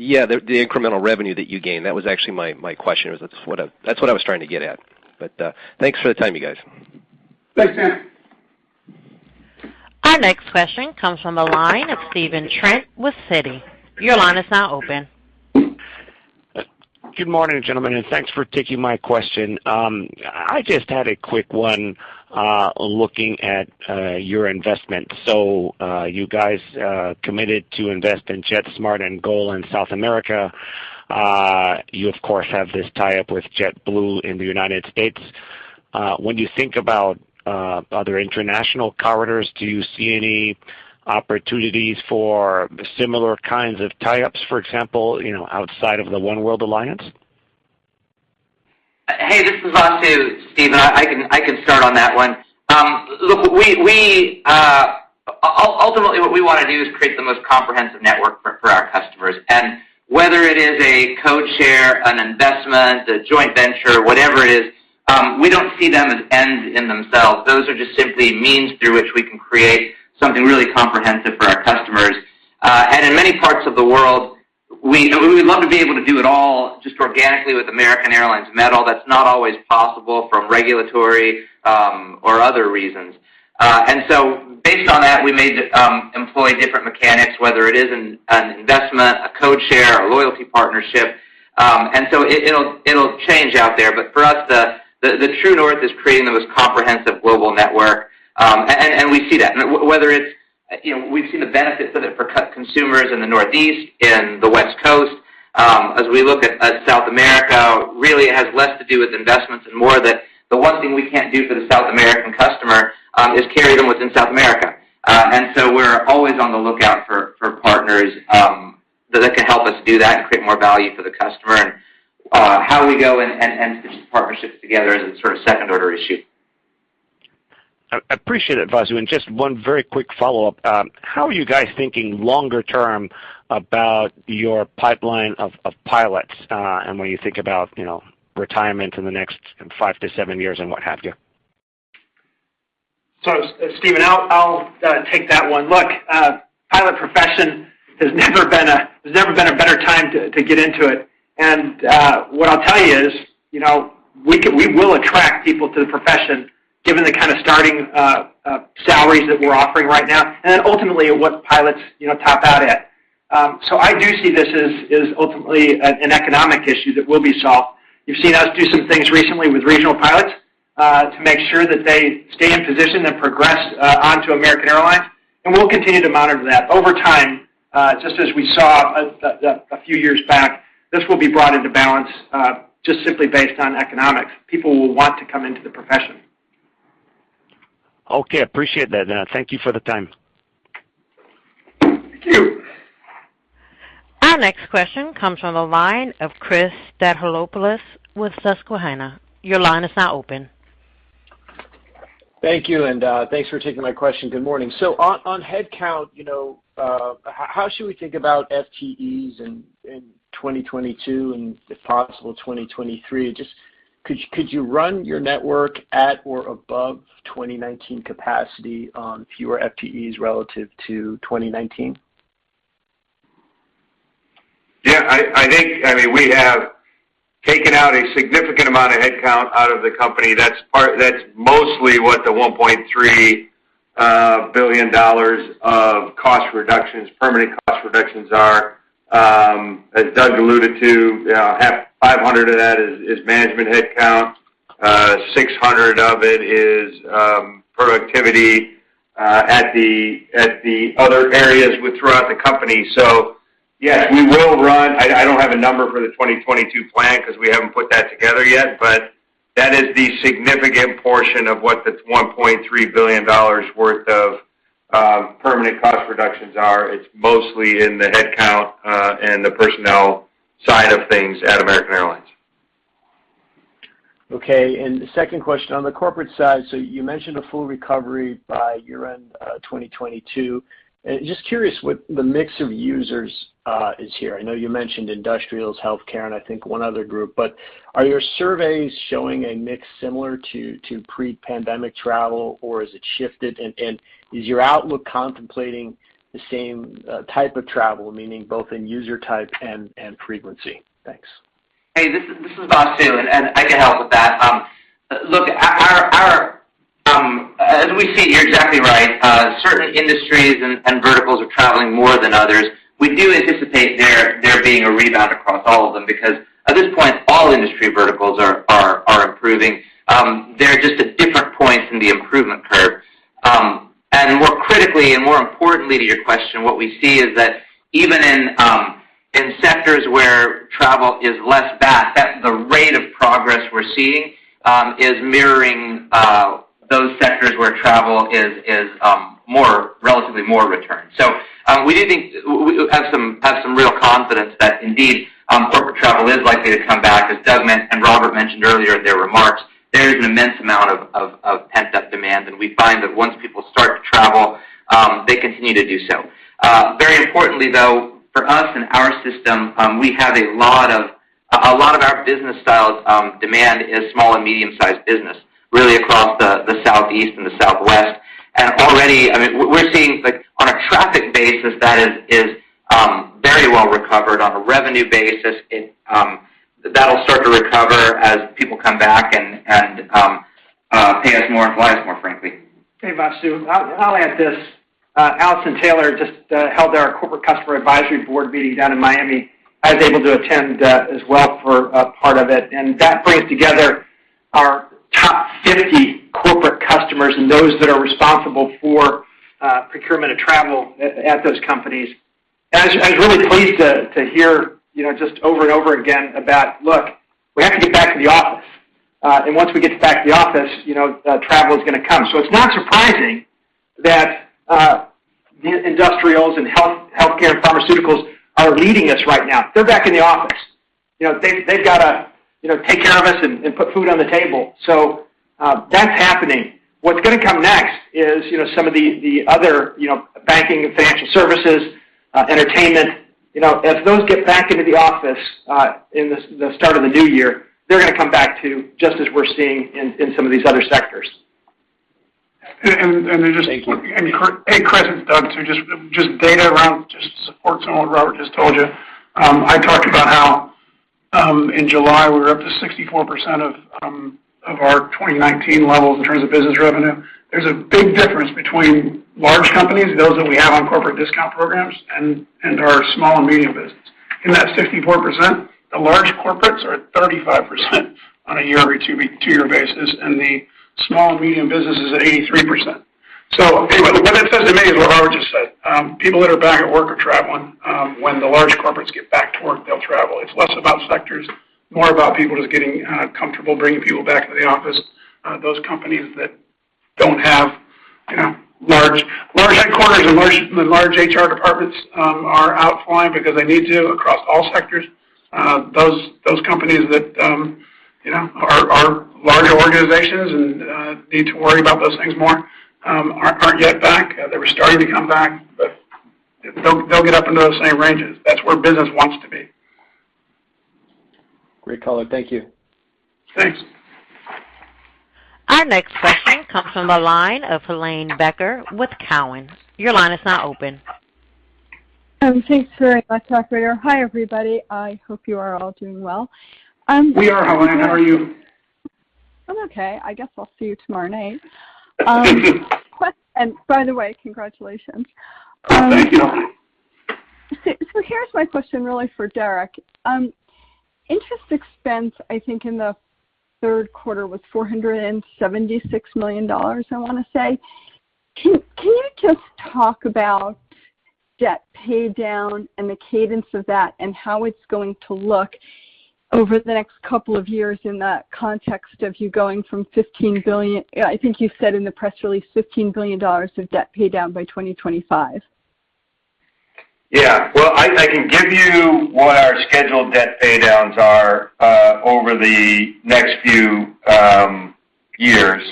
Yeah, the incremental revenue that you gain, that was actually my question. That's what I was trying to get at. Thanks for the time, you guys. Thanks, Dan. Our next question comes from the line of Stephen Trent with Citi. Your line is now open. Good morning, gentlemen, and thanks for taking my question. I just had a quick one looking at your investment. You guys committed to invest in JetSMART and GOL in South America. You, of course, have this tie-up with JetBlue in the United States. When you think about other international corridors, do you see any opportunities for similar kinds of tie-ups, for example, outside of the oneworld Alliance? Hey, this is Vasu. Stephen, I can start on that one. Ultimately, what we want to do is create the most comprehensive network for our customers. Whether it is a code share, an investment, a joint venture, whatever it is, we don't see them as ends in themselves. Those are just simply means through which we can create something really comprehensive for our customers. In many parts of the world, we would love to be able to do it all just organically with American Airlines metal. That's not always possible for regulatory or other reasons. Based on that, we may employ different mechanics, whether it is an investment, a code share, a loyalty partnership. It'll change out there. For us, the true north is creating the most comprehensive global network, and we see that. We've seen the benefits of it for consumers in the Northeast, in the West Coast. As we look at South America, really it has less to do with investments and more that the one thing we can't do for the South American customer is carry them within South America. We're always on the lookout for partners that can help us do that and create more value for the customer. How we go and stitch partnerships together is a sort of second-order issue. I appreciate it, Vasu. Just one very quick follow-up. How are you guys thinking longer term about your pipeline of pilots and when you think about retirement in the next five to seven years and what have you? Stephen, I'll take that one. Look, pilot profession has never been a better time to get into it. What I'll tell you is we will attract people to the profession given the kind of starting salaries that we're offering right now, and then ultimately what pilots top out at. I do see this as ultimately an economic issue that will be solved. You've seen us do some things recently with regional pilots to make sure that they stay in position and progress onto American Airlines, and we'll continue to monitor that. Over time, just as we saw a few years back, this will be brought into balance just simply based on economics. People will want to come into the profession. Okay. Appreciate that. Thank you for the time. Our next question comes from the line of Chris Stathoulopoulos with Susquehanna. Your line is now open. Thank you, and thanks for taking my question. Good morning. On headcount, how should we think about FTEs in 2022 and if possible, 2023? Could you run your network at or above 2019 capacity on fewer FTEs relative to 2019? Yeah, I think we have taken out a significant amount of headcount out of the company. That's mostly what the $1.3 billion of cost reductions, permanent cost reductions are. As Doug alluded to, $500 million of that is management headcount. $600 million of it is productivity at the other areas throughout the company. Yes, I don't have a number for the 2022 plan because we haven't put that together yet. That is the significant portion of what the $1.3 billion worth of permanent cost reductions are. It's mostly in the headcount and the personnel side of things at American Airlines. Okay, the second question on the corporate side, so you mentioned a full recovery by year-end 2022. Just curious what the mix of users is here. I know you mentioned industrials, healthcare, and I think one other group, but are your surveys showing a mix similar to pre-pandemic travel, or has it shifted, and is your outlook contemplating the same type of travel, meaning both in user type and frequency? Thanks. Hey, this is Vasu, and I can help with that. Look, as we see it, you're exactly right. Certain industries and verticals are traveling more than others. We do anticipate there being a rebound across all of them, because at this point, all industry verticals are improving. They're just at different points in the improvement curve. More critically and more importantly to your question, what we see is that even in sectors where travel is less back, the rate of progress we're seeing is mirroring those sectors where travel is relatively more returned. We have some real confidence that indeed, corporate travel is likely to come back. As Doug and Robert mentioned earlier in their remarks, there is an immense amount of pent-up demand, and we find that once people start to travel, they continue to do so. Very importantly, though, for us and our system, we have a lot of our business style demand is small and medium-sized business, really across the Southeast and the Southwest. Already, we're seeing on a traffic basis that is very well-recovered. On a revenue basis, that'll start to recover as people come back and pay us more and fly us more, frankly. Hi, Vasu. I'll add this. Alison Taylor just held our corporate customer advisory board meeting down in Miami. I was able to attend as well for a part of it. That brings together our top 50 corporate customers and those that are responsible for procurement of travel at those companies. I was really pleased to hear just over and over again about, look, we have to get back to the office, and once we get back to the office, travel is going to come. It's not surprising that the industrials and healthcare and pharmaceuticals are leading us right now. They're back in the office. They've got to take care of us and put food on the table. That's happening. What's going to come next is some of the other banking and financial services, entertainment. As those get back into the office in the start of the new year, they're going to come back, too, just as we're seeing in some of these other sectors. And just- Thank you. Hey, Chris, it's Doug. Just data around just to support some of what Robert just told you. I talked about how in July, we were up to 64% of our 2019 levels in terms of business revenue. There's a big difference between large companies, those that we have on corporate discount programs, and our small and medium business. In that 64%, the large corporates are at 35% on a year-over-two-year basis, and the small and medium business is at 83%. Anyway, what that says to me is what Robert just said. People that are back at work are traveling. When the large corporates get back to work, they'll travel. It's less about sectors, more about people just getting comfortable bringing people back to the office. Those companies that don't have large headquarters and large HR departments are out flying because they need to across all sectors. Those companies that are larger organizations and need to worry about those things more aren't yet back. They were starting to come back, but they'll get up into those same ranges. That's where business wants to be. Great color. Thank you. Thanks. Our next question comes from the line of Helane Becker with Cowen. Your line is now open. Thanks very much, operator. Hi, everybody. I hope you are all doing well. We are, Helane. How are you? I'm okay. I guess I'll see you tomorrow night. By the way, congratulations. Thank you. Here's my question, really for Derek. Interest expense, I think, in the third quarter was $476 million, I want to say. Can you just talk about debt paydown and the cadence of that and how it's going to look over the next couple of years in the context of you going from $15 billion, I think you said in the press release $15 billion of debt paydown by 2025. Yeah. Well, I can give you what our scheduled debt paydowns are over the next few years.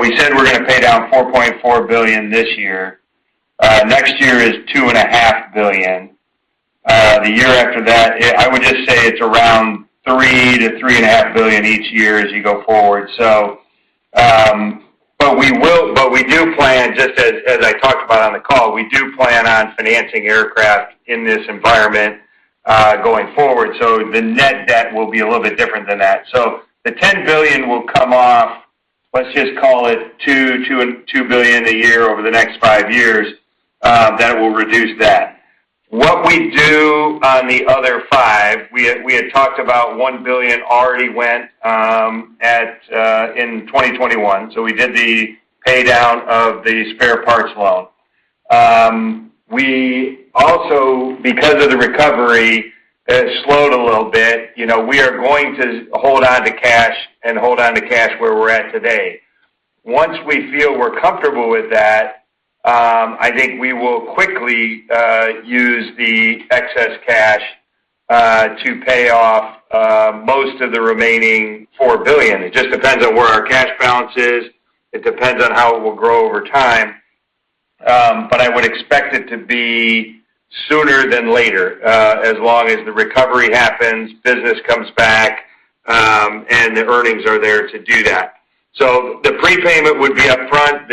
We said we're going to pay down $4.4 billion this year. Next year is $2.5 billion. The year after that, I would just say it's around $3 billion-$3.5 billion each year as you go forward. We do plan, just as I talked about on the call, we do plan on financing aircraft in this environment going forward. The net debt will be a little bit different than that. The $10 billion will come off, let's just call it $2 billion a year over the next five years that will reduce that. What we do on the other five, we had talked about $1 billion already went in 2021. We did the paydown of the spare parts loan. We also, because of the recovery, it slowed a little bit. We are going to hold onto cash and hold onto cash where we're at today. Once we feel we're comfortable with that, I think we will quickly use the excess cash to pay off most of the remaining $4 billion. It just depends on where our cash balance is. It depends on how it will grow over time. I would expect it to be sooner than later, as long as the recovery happens, business comes back, and the earnings are there to do that. The prepayment would be upfront.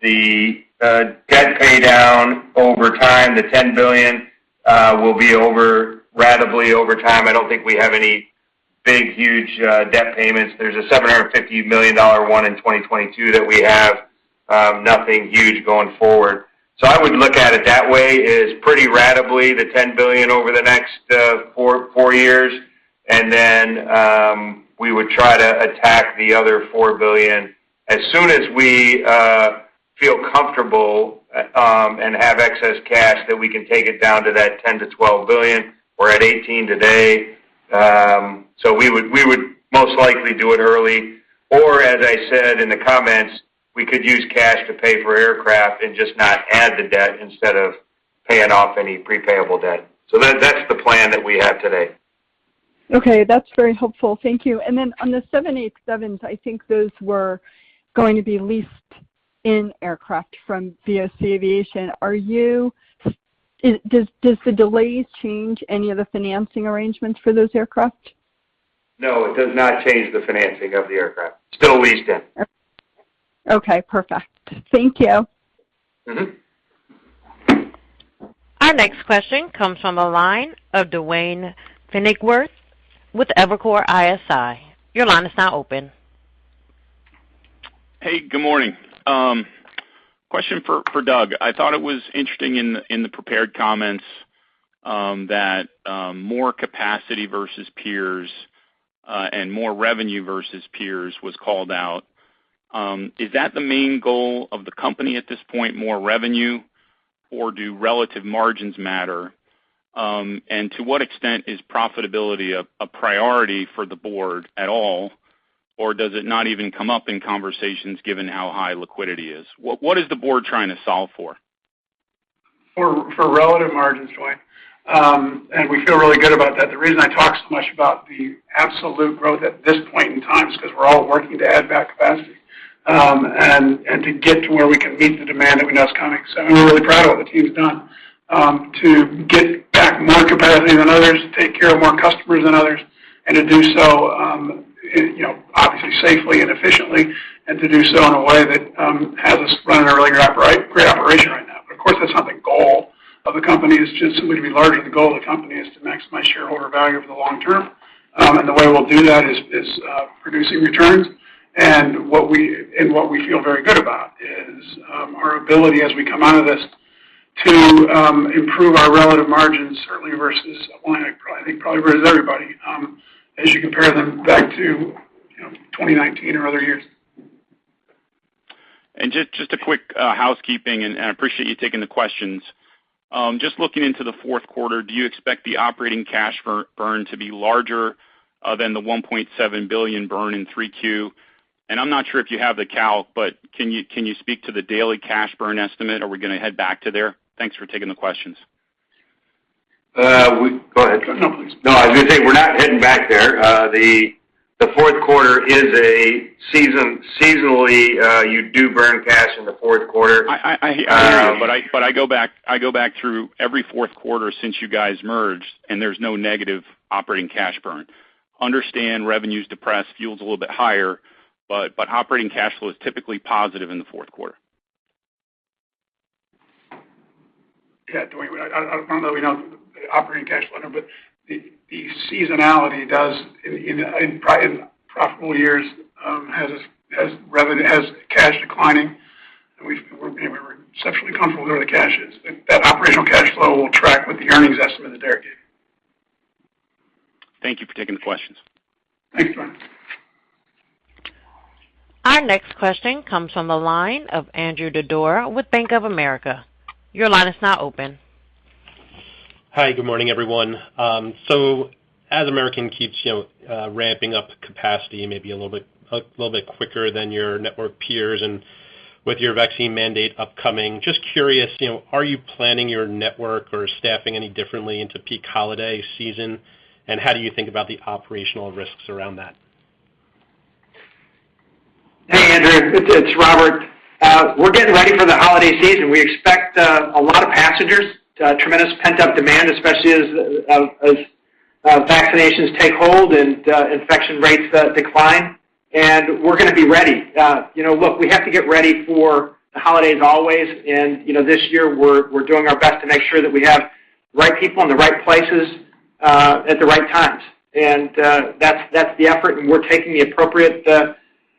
The debt paydown over time, the $10 billion, will be ratably over time. I don't think we have any big, huge debt payments. There's a $750 million one in 2022 that we have. Nothing huge going forward. I would look at it that way, is pretty ratably the $10 billion over the next four years. We would try to attack the other $4 billion as soon as we feel comfortable and have excess cash that we can take it down to that $10 billion-$12 billion. We're at $18 billion today. We would most likely do it early. Or as I said in the comments, we could use cash to pay for aircraft and just not add the debt instead of paying off any pre-payable debt. That's the plan that we have today. Okay. That's very helpful. Thank you. On the 787s, I think those were going to be leased-in aircraft from BOC Aviation. Does the delays change any of the financing arrangements for those aircraft? No, it does not change the financing of the aircraft. Still leased in. Okay, perfect. Thank you. Our next question comes from the line of Duane Pfennigwerth with Evercore ISI. Your line is now open. Hey, good morning. Question for Doug. I thought it was interesting in the prepared comments that more capacity versus peers and more revenue versus peers was called out. Is that the main goal of the company at this point, more revenue? Do relative margins matter? To what extent is profitability a priority for the board at all? Does it not even come up in conversations given how high liquidity is? What is the board trying to solve for? For relative margins, Duane. We feel really good about that. The reason I talk so much about the absolute growth at this point in time is because we're all working to add back capacity and to get to where we can meet the demand that we know is coming. We're really proud of what the team's done to get back more capacity than others, to take care of more customers than others, and to do so obviously safely and efficiently, and to do so in a way that has us running a really great operation right now. Of course, that's not the goal of the company, is just simply to be larger. The goal of the company is to maximize shareholder value over the long-term. The way we'll do that is producing returns. What we feel very good about is our ability as we come out of this to improve our relative margins, certainly versus Atlantic, and I think probably versus everybody as you compare them back to 2019 or other years. Just a quick housekeeping, I appreciate you taking the questions. Just looking into the fourth quarter, do you expect the operating cash burn to be larger than the $1.7 billion burn in 3Q? I'm not sure if you have the calc, but can you speak to the daily cash burn estimate? Are we going to head back to there? Thanks for taking the questions. We- Go ahead. No. Please. No, I was going to say, we're not heading back there. The fourth quarter is a, seasonally, you do burn cash in the fourth quarter. I hear you. I go back through every fourth quarter since you guys merged, and there's no negative operating cash burn. Understand revenue's depressed, fuel's a little bit higher, but operating cash flow is typically positive in the fourth quarter. Duane. I don't know the operating cash flow number, the seasonality does, in profitable years, has cash declining, and we're exceptionally comfortable where the cash is. That operational cash flow will track with the earnings estimate that Derek gave. Thank you for taking the questions. Thanks, Duane. Our next question comes from the line of Andrew Didora with Bank of America. Your line is now open. Hi, good morning, everyone. As American keeps ramping up capacity, maybe a little bit quicker than your network peers and with your vaccine mandate upcoming, just curious, are you planning your network or staffing any differently into peak holiday season? And how do you think about the operational risks around that? Hey, Andrew, it's Robert. We're getting ready for the holiday season. We expect a lot of passengers, tremendous pent-up demand, especially as vaccinations take hold and infection rates decline. We're going to be ready. Look, we have to get ready for the holidays always. This year, we're doing our best to make sure that we have the right people in the right places at the right times. That's the effort, and we're taking the appropriate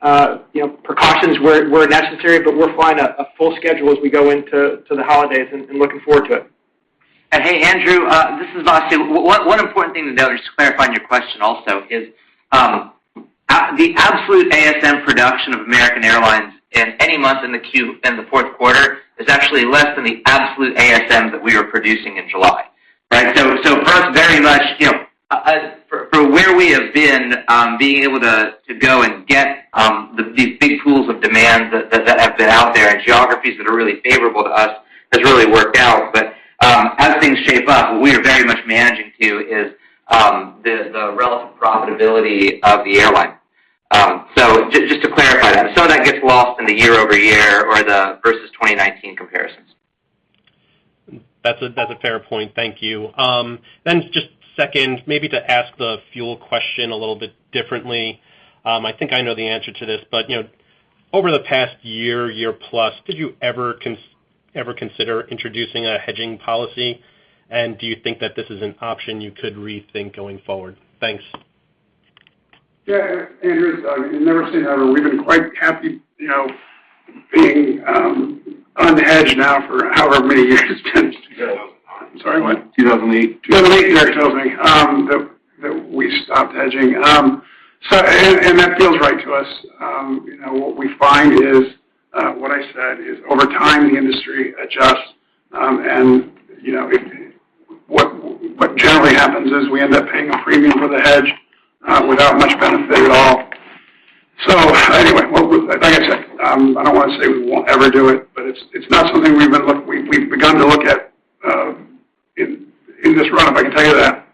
precautions where necessary, but we're flying a full schedule as we go into the holidays and looking forward to it. Hey, Andrew, this is Vasu. One important thing to note, just to clarify on your question also is. The absolute ASM production of American Airlines in any month in the fourth quarter is actually less than the absolute ASM that we were producing in July, right? For us, very much, for where we have been, being able to go and get these big pools of demand that have been out there in geographies that are really favorable to us has really worked out. As things shape up, what we are very much managing to is the relative profitability of the airline. Just to clarify that, some of that gets lost in the year-over-year or the versus 2019 comparisons. That's a fair point. Thank you. Just second, maybe to ask the fuel question a little bit differently. I think I know the answer to this, but over the past year-plus, did you ever consider introducing a hedging policy? Do you think that this is an option you could rethink going forward? Thanks. Yeah. Andrew, it's never say never. We've been quite happy being unhedged now for however many years. 2008. 2008. Yeah, 2008 that we stopped hedging. That feels right to us. What we find is what I said, is over time, the industry adjusts. What generally happens is we end up paying a premium for the hedge without much benefit at all. Anyway, like I said, I don't want to say we won't ever do it, but it's not something we've begun to look at in this run-up, I can tell you that.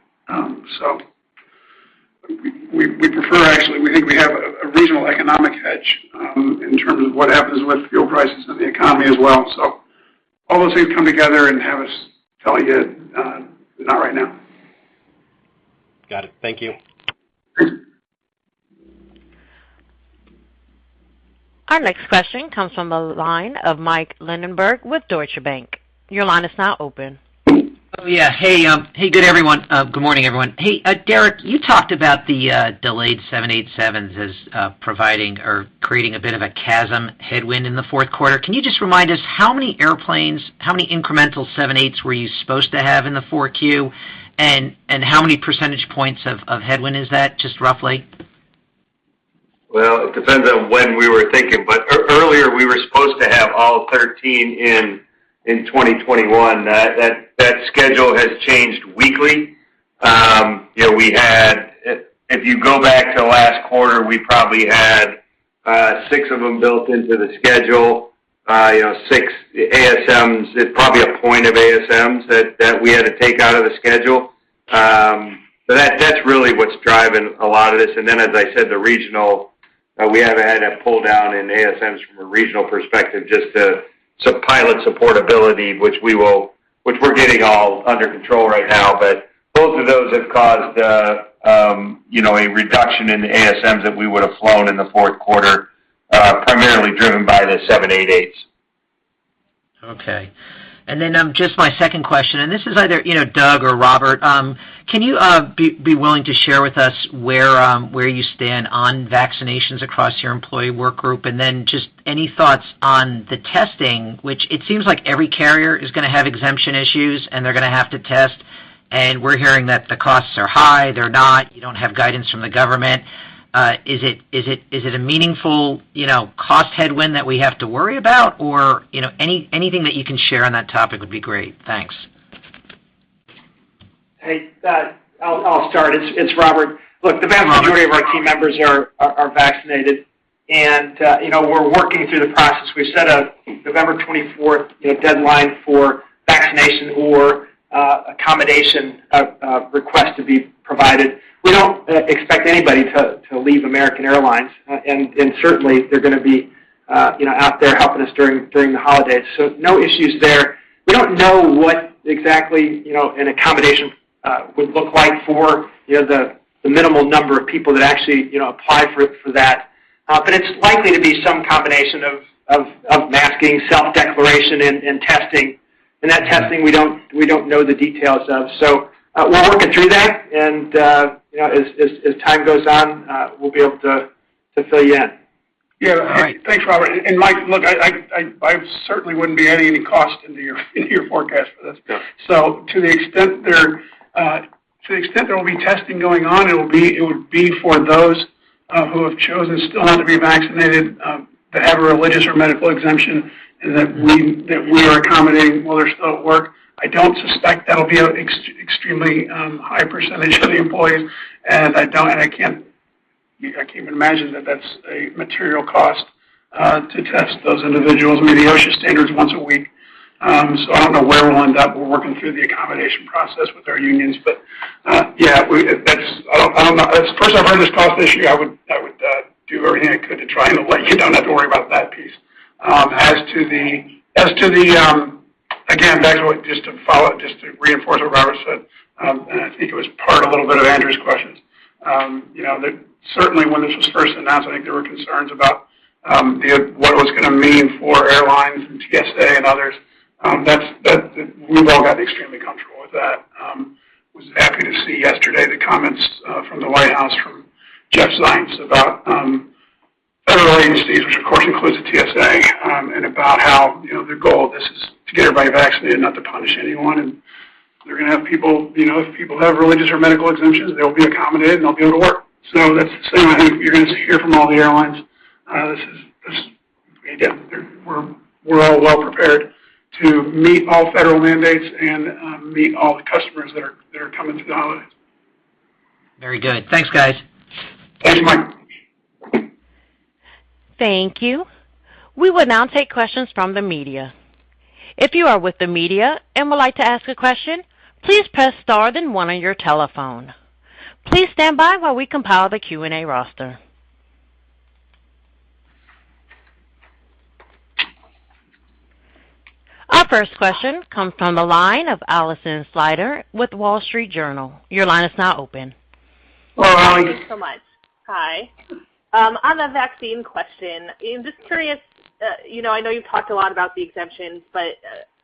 We prefer, actually, we think we have a reasonable economic hedge in terms of what happens with fuel prices and the economy as well. All those things come together and have us tell you that not right now. Got it. Thank you. Our next question comes from the line of Mike Linenberg with Deutsche Bank. Your line is now open. Oh, yeah. Hey. Good everyone. Good morning, everyone. Hey, Derek, you talked about the delayed 787s as providing or creating a bit of a CASM headwind in the fourth quarter. Can you just remind us how many airplanes, how many incremental 78s were you supposed to have in the 4Q, and how many percentage points of headwind is that, just roughly? Well, it depends on when we were thinking, but earlier, we were supposed to have all 13 in 2021. That schedule has changed weekly. If you go back to last quarter, we probably had six of them built into the schedule. Six ASMs, probably a point of ASMs that we had to take out of the schedule. That's really what's driving a lot of this. As I said, the regional, we have had a pull-down in ASMs from a regional perspective just to some pilot supportability, which we're getting all under control right now. Both of those have caused a reduction in ASMs that we would have flown in the fourth quarter, primarily driven by the 788s. Okay. My second question, and this is either Doug or Robert. Can you be willing to share with us where you stand on vaccinations across your employee workgroup? Any thoughts on the testing, which it seems like every carrier is going to have exemption issues, and they're going to have to test. We're hearing that the costs are high, you don't have guidance from the government. Is it a meaningful cost headwind that we have to worry about? Anything that you can share on that topic would be great. Thanks. Hey, I'll start. It's Robert. Look, the vast majority of our team members are vaccinated, and we're working through the process. We've set a November 24th deadline for vaccination or accommodation request to be provided. We don't expect anybody to leave American Airlines, and certainly, they're going to be out there helping us during the holidays, so no issues there. We don't know what exactly an accommodation would look like for the minimal number of people that actually apply for that. It's likely to be some combination of masking, self-declaration, and testing. That testing we don't know the details of. We're working through that, and as time goes on, we'll be able to fill you in. Thanks, Robert. Mike, look, I certainly wouldn't be adding any cost into your forecast for this. To the extent there will be testing going on, it would be for those who have chosen still not to be vaccinated, that have a religious or medical exemption, and that we are accommodating while they're still at work. I don't suspect that'll be an extremely high percentage of the employees, and I can't even imagine that that's a material cost to test those individuals. The OSHA standard's once a week, I don't know where we'll end up. We're working through the accommodation process with our unions. Yeah, first I've heard of this cost issue, I would do everything I could to try and let you don't have to worry about that piece. Again, back to reinforce what Robert said, and I think it was part a little bit of Andrew's questions. Certainly, when this was first announced, I think there were concerns about what it was going to mean for airlines and TSA and others. We've all gotten extremely comfortable with that. Was happy to see yesterday the comments from the White House, from Jeff Zients about which of course includes the TSA, about how their goal of this is to get everybody vaccinated, not to punish anyone. They're going to have people, if people have religious or medical exemptions, they'll be accommodated, and they'll be able to work. That's something you're going to hear from all the airlines. Again, we're all well-prepared to meet all federal mandates and meet all the customers that are coming through the holidays. Very good. Thanks, guys. Thanks, Mike. Thank you. We will now take questions from the media. If you are with the media and would like to ask a question, please press star then one on your telephone. Please standby while we compile the Q&A roster. Our first question comes from the line of Alison Sider with The Wall Street Journal. Your line is now open. Hello, Ali. Thank you so much. Hi. On the vaccine question, just curious, I know you've talked a lot about the exemptions, but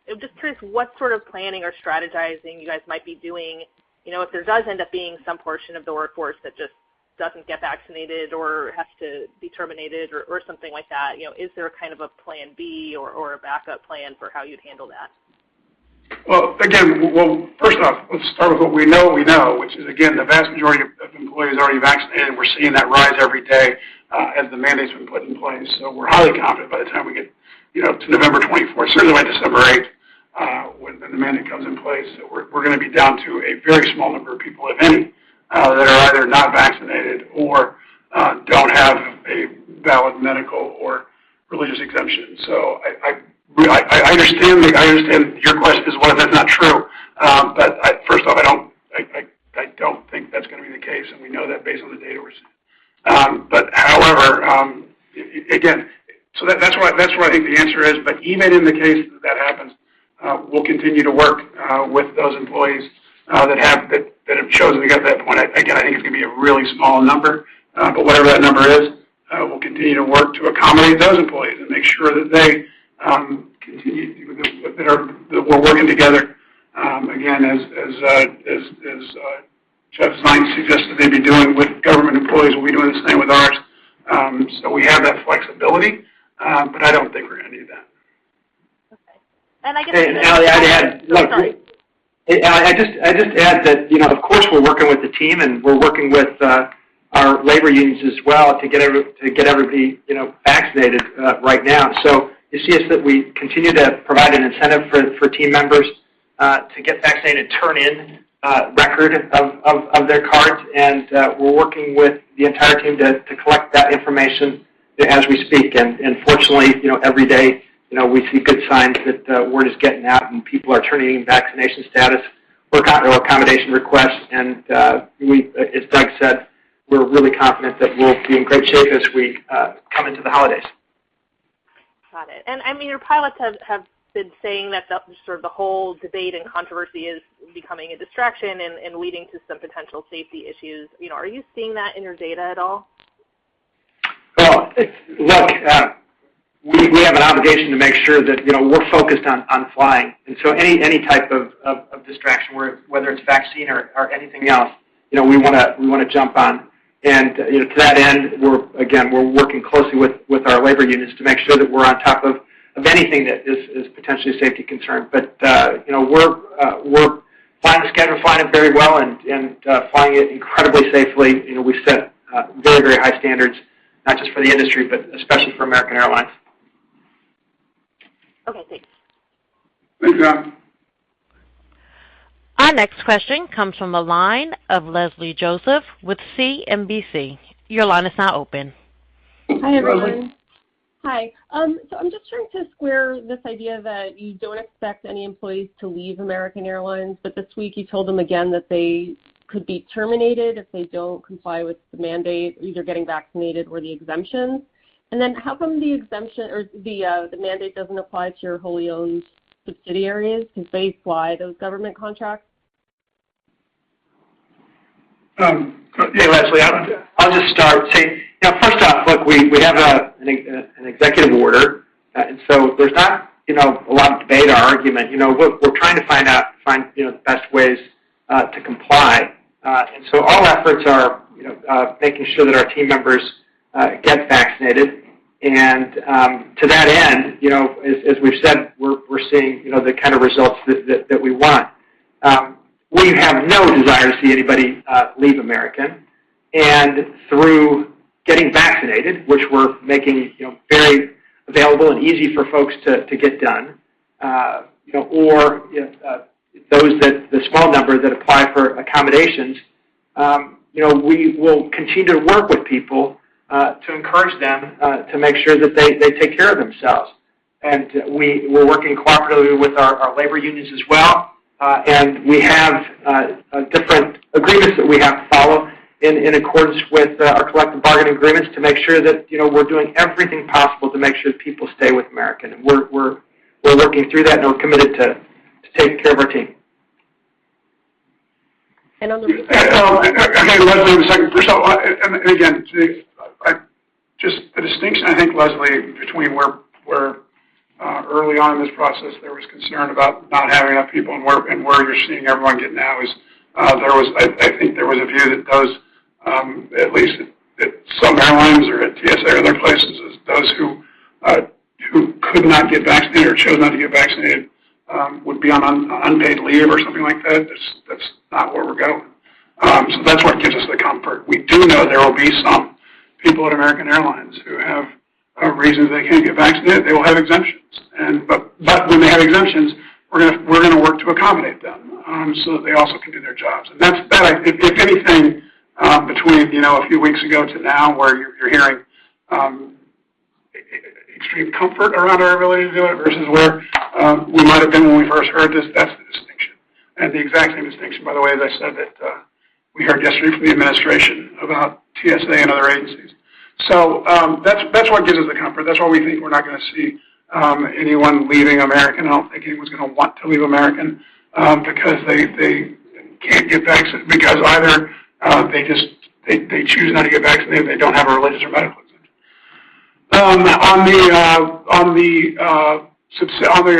I'm just curious what sort of planning or strategizing you guys might be doing, if there does end up being some portion of the workforce that just doesn't get vaccinated or has to be terminated or something like that? Is there a kind of a plan B or a backup plan for how you'd handle that? Well, again, first off, let's start with what we know, which is, again, the vast majority of employees are already vaccinated, and we're seeing that rise every day as the mandate's been put in place. We're highly confident by the time we get to November 24th, certainly by December 8th, when the mandate comes in place, we're going to be down to a very small number of people, if any, that are either not vaccinated or don't have a valid medical or religious exemption. I understand your question as what if that's not true? First off, I don't think that's going to be the case, and we know that based on the data we're seeing. However, again, that's where I think the answer is. Even in the case that that happens, we'll continue to work with those employees that have chosen to get to that point. Again, I think it's going to be a really small number. Whatever that number is, we'll continue to work to accommodate those employees and make sure that we're working together, again, as Jeff Zients suggested they'd be doing with government employees, we'll be doing the same with ours. We have that flexibility, but I don't think we're going to need that. Okay. Ali, I'd add. Oh, sorry. I'd just add that, of course, we're working with the team, and we're working with our labor unions as well to get everybody vaccinated right now. You see us that we continue to provide an incentive for team members to get vaccinated, turn in a record of their cards, and we're working with the entire team to collect that information as we speak. Fortunately, every day, we see good signs that word is getting out and people are turning in vaccination status or accommodation requests. As Doug said, we're really confident that we'll be in great shape as we come into the holidays. Got it. I mean, your pilots have been saying that sort of the whole debate and controversy is becoming a distraction and leading to some potential safety issues. Are you seeing that in your data at all? Well, look, we have an obligation to make sure that we're focused on flying. Any type of distraction, whether it's vaccine or anything else, we want to jump on. To that end, again, we're working closely with our labor unions to make sure that we're on top of anything that is a potential safety concern. We're flying a schedule, flying it very well, and flying it incredibly safely. We set very, very high standards, not just for the industry, but especially for American Airlines. Okay, thanks. Thanks, Ali. Our next question comes from the line of Leslie Josephs with CNBC. Your line is now open. Hi, Leslie. Hi, everyone. Hi. I'm just trying to square this idea that you don't expect any employees to leave American Airlines, but this week you told them again that they could be terminated if they don't comply with the mandate, either getting vaccinated or the exemption. How come the mandate doesn't apply to your wholly owned subsidiaries? Can they fly those government contracts? Hey, Leslie, I'll just start. First off, look, we have an executive order, and so there's not a lot of debate or argument. We're trying to find the best ways to comply. All efforts are making sure that our team members get vaccinated. To that end, as we've said, we're seeing the kind of results that we want. We have no desire to see anybody leave American. Through getting vaccinated, which we're making very available and easy for folks to get done, or the small number that apply for accommodations, we will continue to work with people to encourage them to make sure that they take care of themselves. We're working cooperatively with our labor unions as well. We have different agreements that we have to follow in accordance with our collective bargaining agreements to make sure that we're doing everything possible to make sure that people stay with American. We're working through that and we're committed to taking care of our team. And on the- I'll take Leslie in a second. First of all, and again, just the distinction, I think, Leslie, between where early on in this process, there was concern about not having enough people, and where you're seeing everyone get now is, I think there was a view that those, at least at some airlines or at TSA or other places, those who could not get vaccinated or chose not to get vaccinated would be on unpaid leave or something like that. That's not where we're going. That's what gives us the comfort. We do know there will be some people at American Airlines who have a reason they can't get vaccinated. They will have exemptions. When they have exemptions, we're going to work to accommodate them, so that they also can do their jobs. If anything, between a few weeks ago to now where you're hearing extreme comfort around our ability to do it versus where we might have been when we first heard this, that's the distinction. The exact same distinction, by the way, as I said that we heard yesterday from the administration about TSA and other agencies. That's what gives us the comfort. That's why we think we're not going to see anyone leaving American. I don't think anyone's going to want to leave American because they can't get vaccinated, because either they choose not to get vaccinated or they don't have a religious or medical exemption.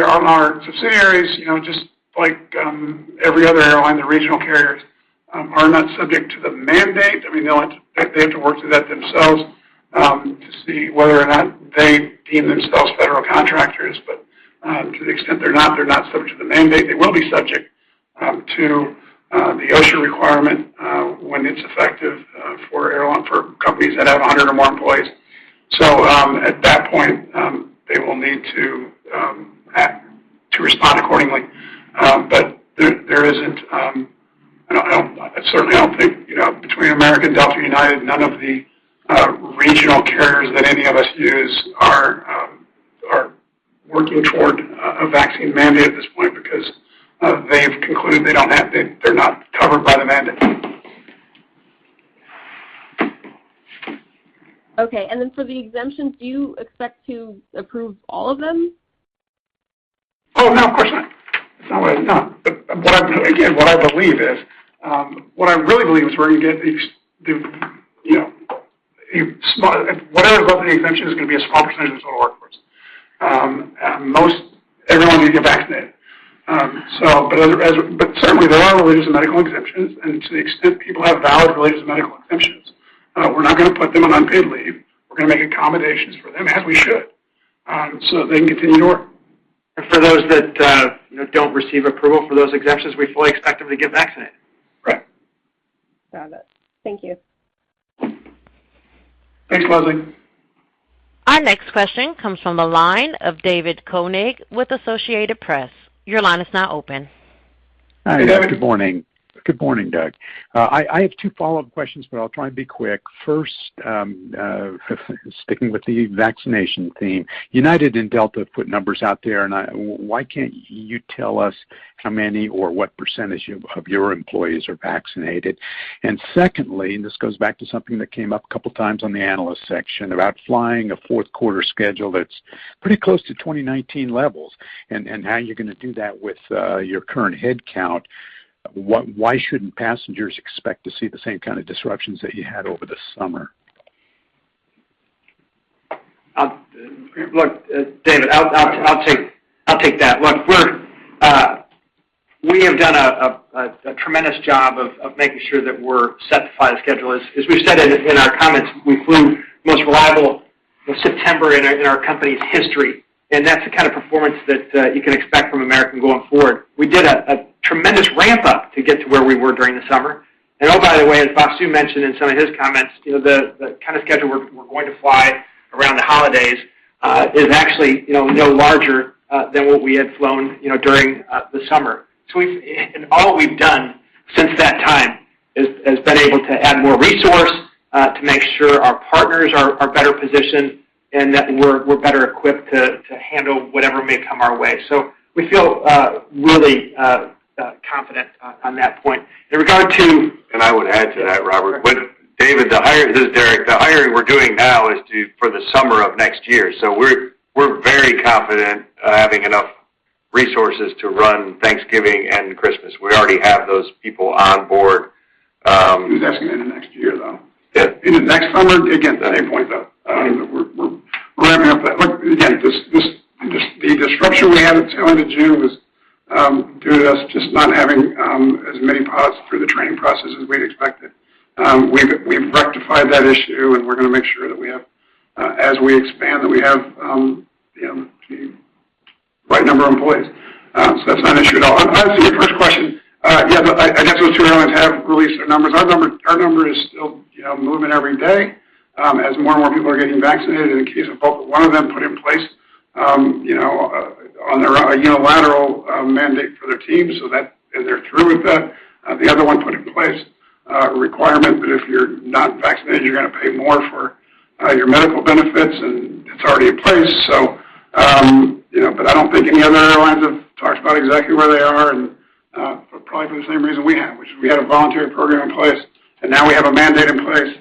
On our subsidiaries, just like every other airline, the regional carriers are not subject to the mandate. They have to work through that themselves to see whether or not they deem themselves federal contractors. To the extent they're not, they're not subject to the mandate. They will be subject to the OSHA requirement when it's effective for companies that have 100 or more employees. At that point, they will need to respond accordingly. I certainly don't think between American, Delta, and United, none of the regional carriers that any of us use are working toward a vaccine mandate at this point because they've concluded they're not covered by the mandate. Okay, for the exemptions, do you expect to approve all of them? Oh, no, of course not. Again, what I really believe is whatever is left in the exemption is going to be a small percentage of our workforce. Everyone will need to get vaccinated. Certainly, there are religious and medical exemptions, and to the extent people have valid religious and medical exemptions, we're not going to put them on unpaid leave. We're going to make accommodations for them, as we should, so that they can continue to work. For those that don't receive approval for those exemptions, we fully expect them to get vaccinated. Correct. Got it. Thank you. Thanks, Leslie. Our next question comes from the line of David Koenig with Associated Press. Your line is now open. Hey, David. Good morning. Good morning, Doug. I have two follow-up questions, but I'll try and be quick. First, sticking with the vaccination theme, United and Delta have put numbers out there, why can't you tell us how many or what percentage of your employees are vaccinated? Secondly, this goes back to something that came up a couple of times on the analyst section about flying a fourth-quarter schedule that's pretty close to 2019 levels and how you're going to do that with your current headcount. Why shouldn't passengers expect to see the same kind of disruptions that you had over the summer? Look, David, I'll take that. Look, we have done a tremendous job of making sure that we're set to fly the schedule. As we've said in our comments, we flew the most reliable September in our company's history, and that's the kind of performance that you can expect from American going forward. We did a tremendous ramp-up to get to where we were during the summer. Oh, by the way, as Vasu mentioned in some of his comments, the kind of schedule we're going to fly around the holidays is actually no larger than what we had flown during the summer. All we've done since that time has been able to add more resource to make sure our partners are better positioned and that we're better equipped to handle whatever may come our way. We feel really confident on that point. In regard to- I would add to that, Robert. This is Derek. The hiring we're doing now is for the summer of next year. We're very confident having enough resources to run Thanksgiving and Christmas. We already have those people on board. He was asking about the next year, though. Yeah. Next summer, again, at any point, though. We're ramping up that. Look, again, the disruption we had at the turn of June was due to us just not having as many pilots through the training process as we'd expected. We've rectified that issue, and we're going to make sure that as we expand, that we have the right number of employees. That's not an issue at all. To answer your first question, yeah, I guess those two airlines have released their numbers. Our number is still moving every day as more and more people are getting vaccinated. In the case of one of them put in place a unilateral mandate for their team so that they're through with that. The other one put in place a requirement that if you're not vaccinated, you're going to pay more for your medical benefits, and it's already in place. I don't think any other airlines have talked about exactly where they are, and probably for the same reason we have, which is we had a voluntary program in place, and now we have a mandate in place.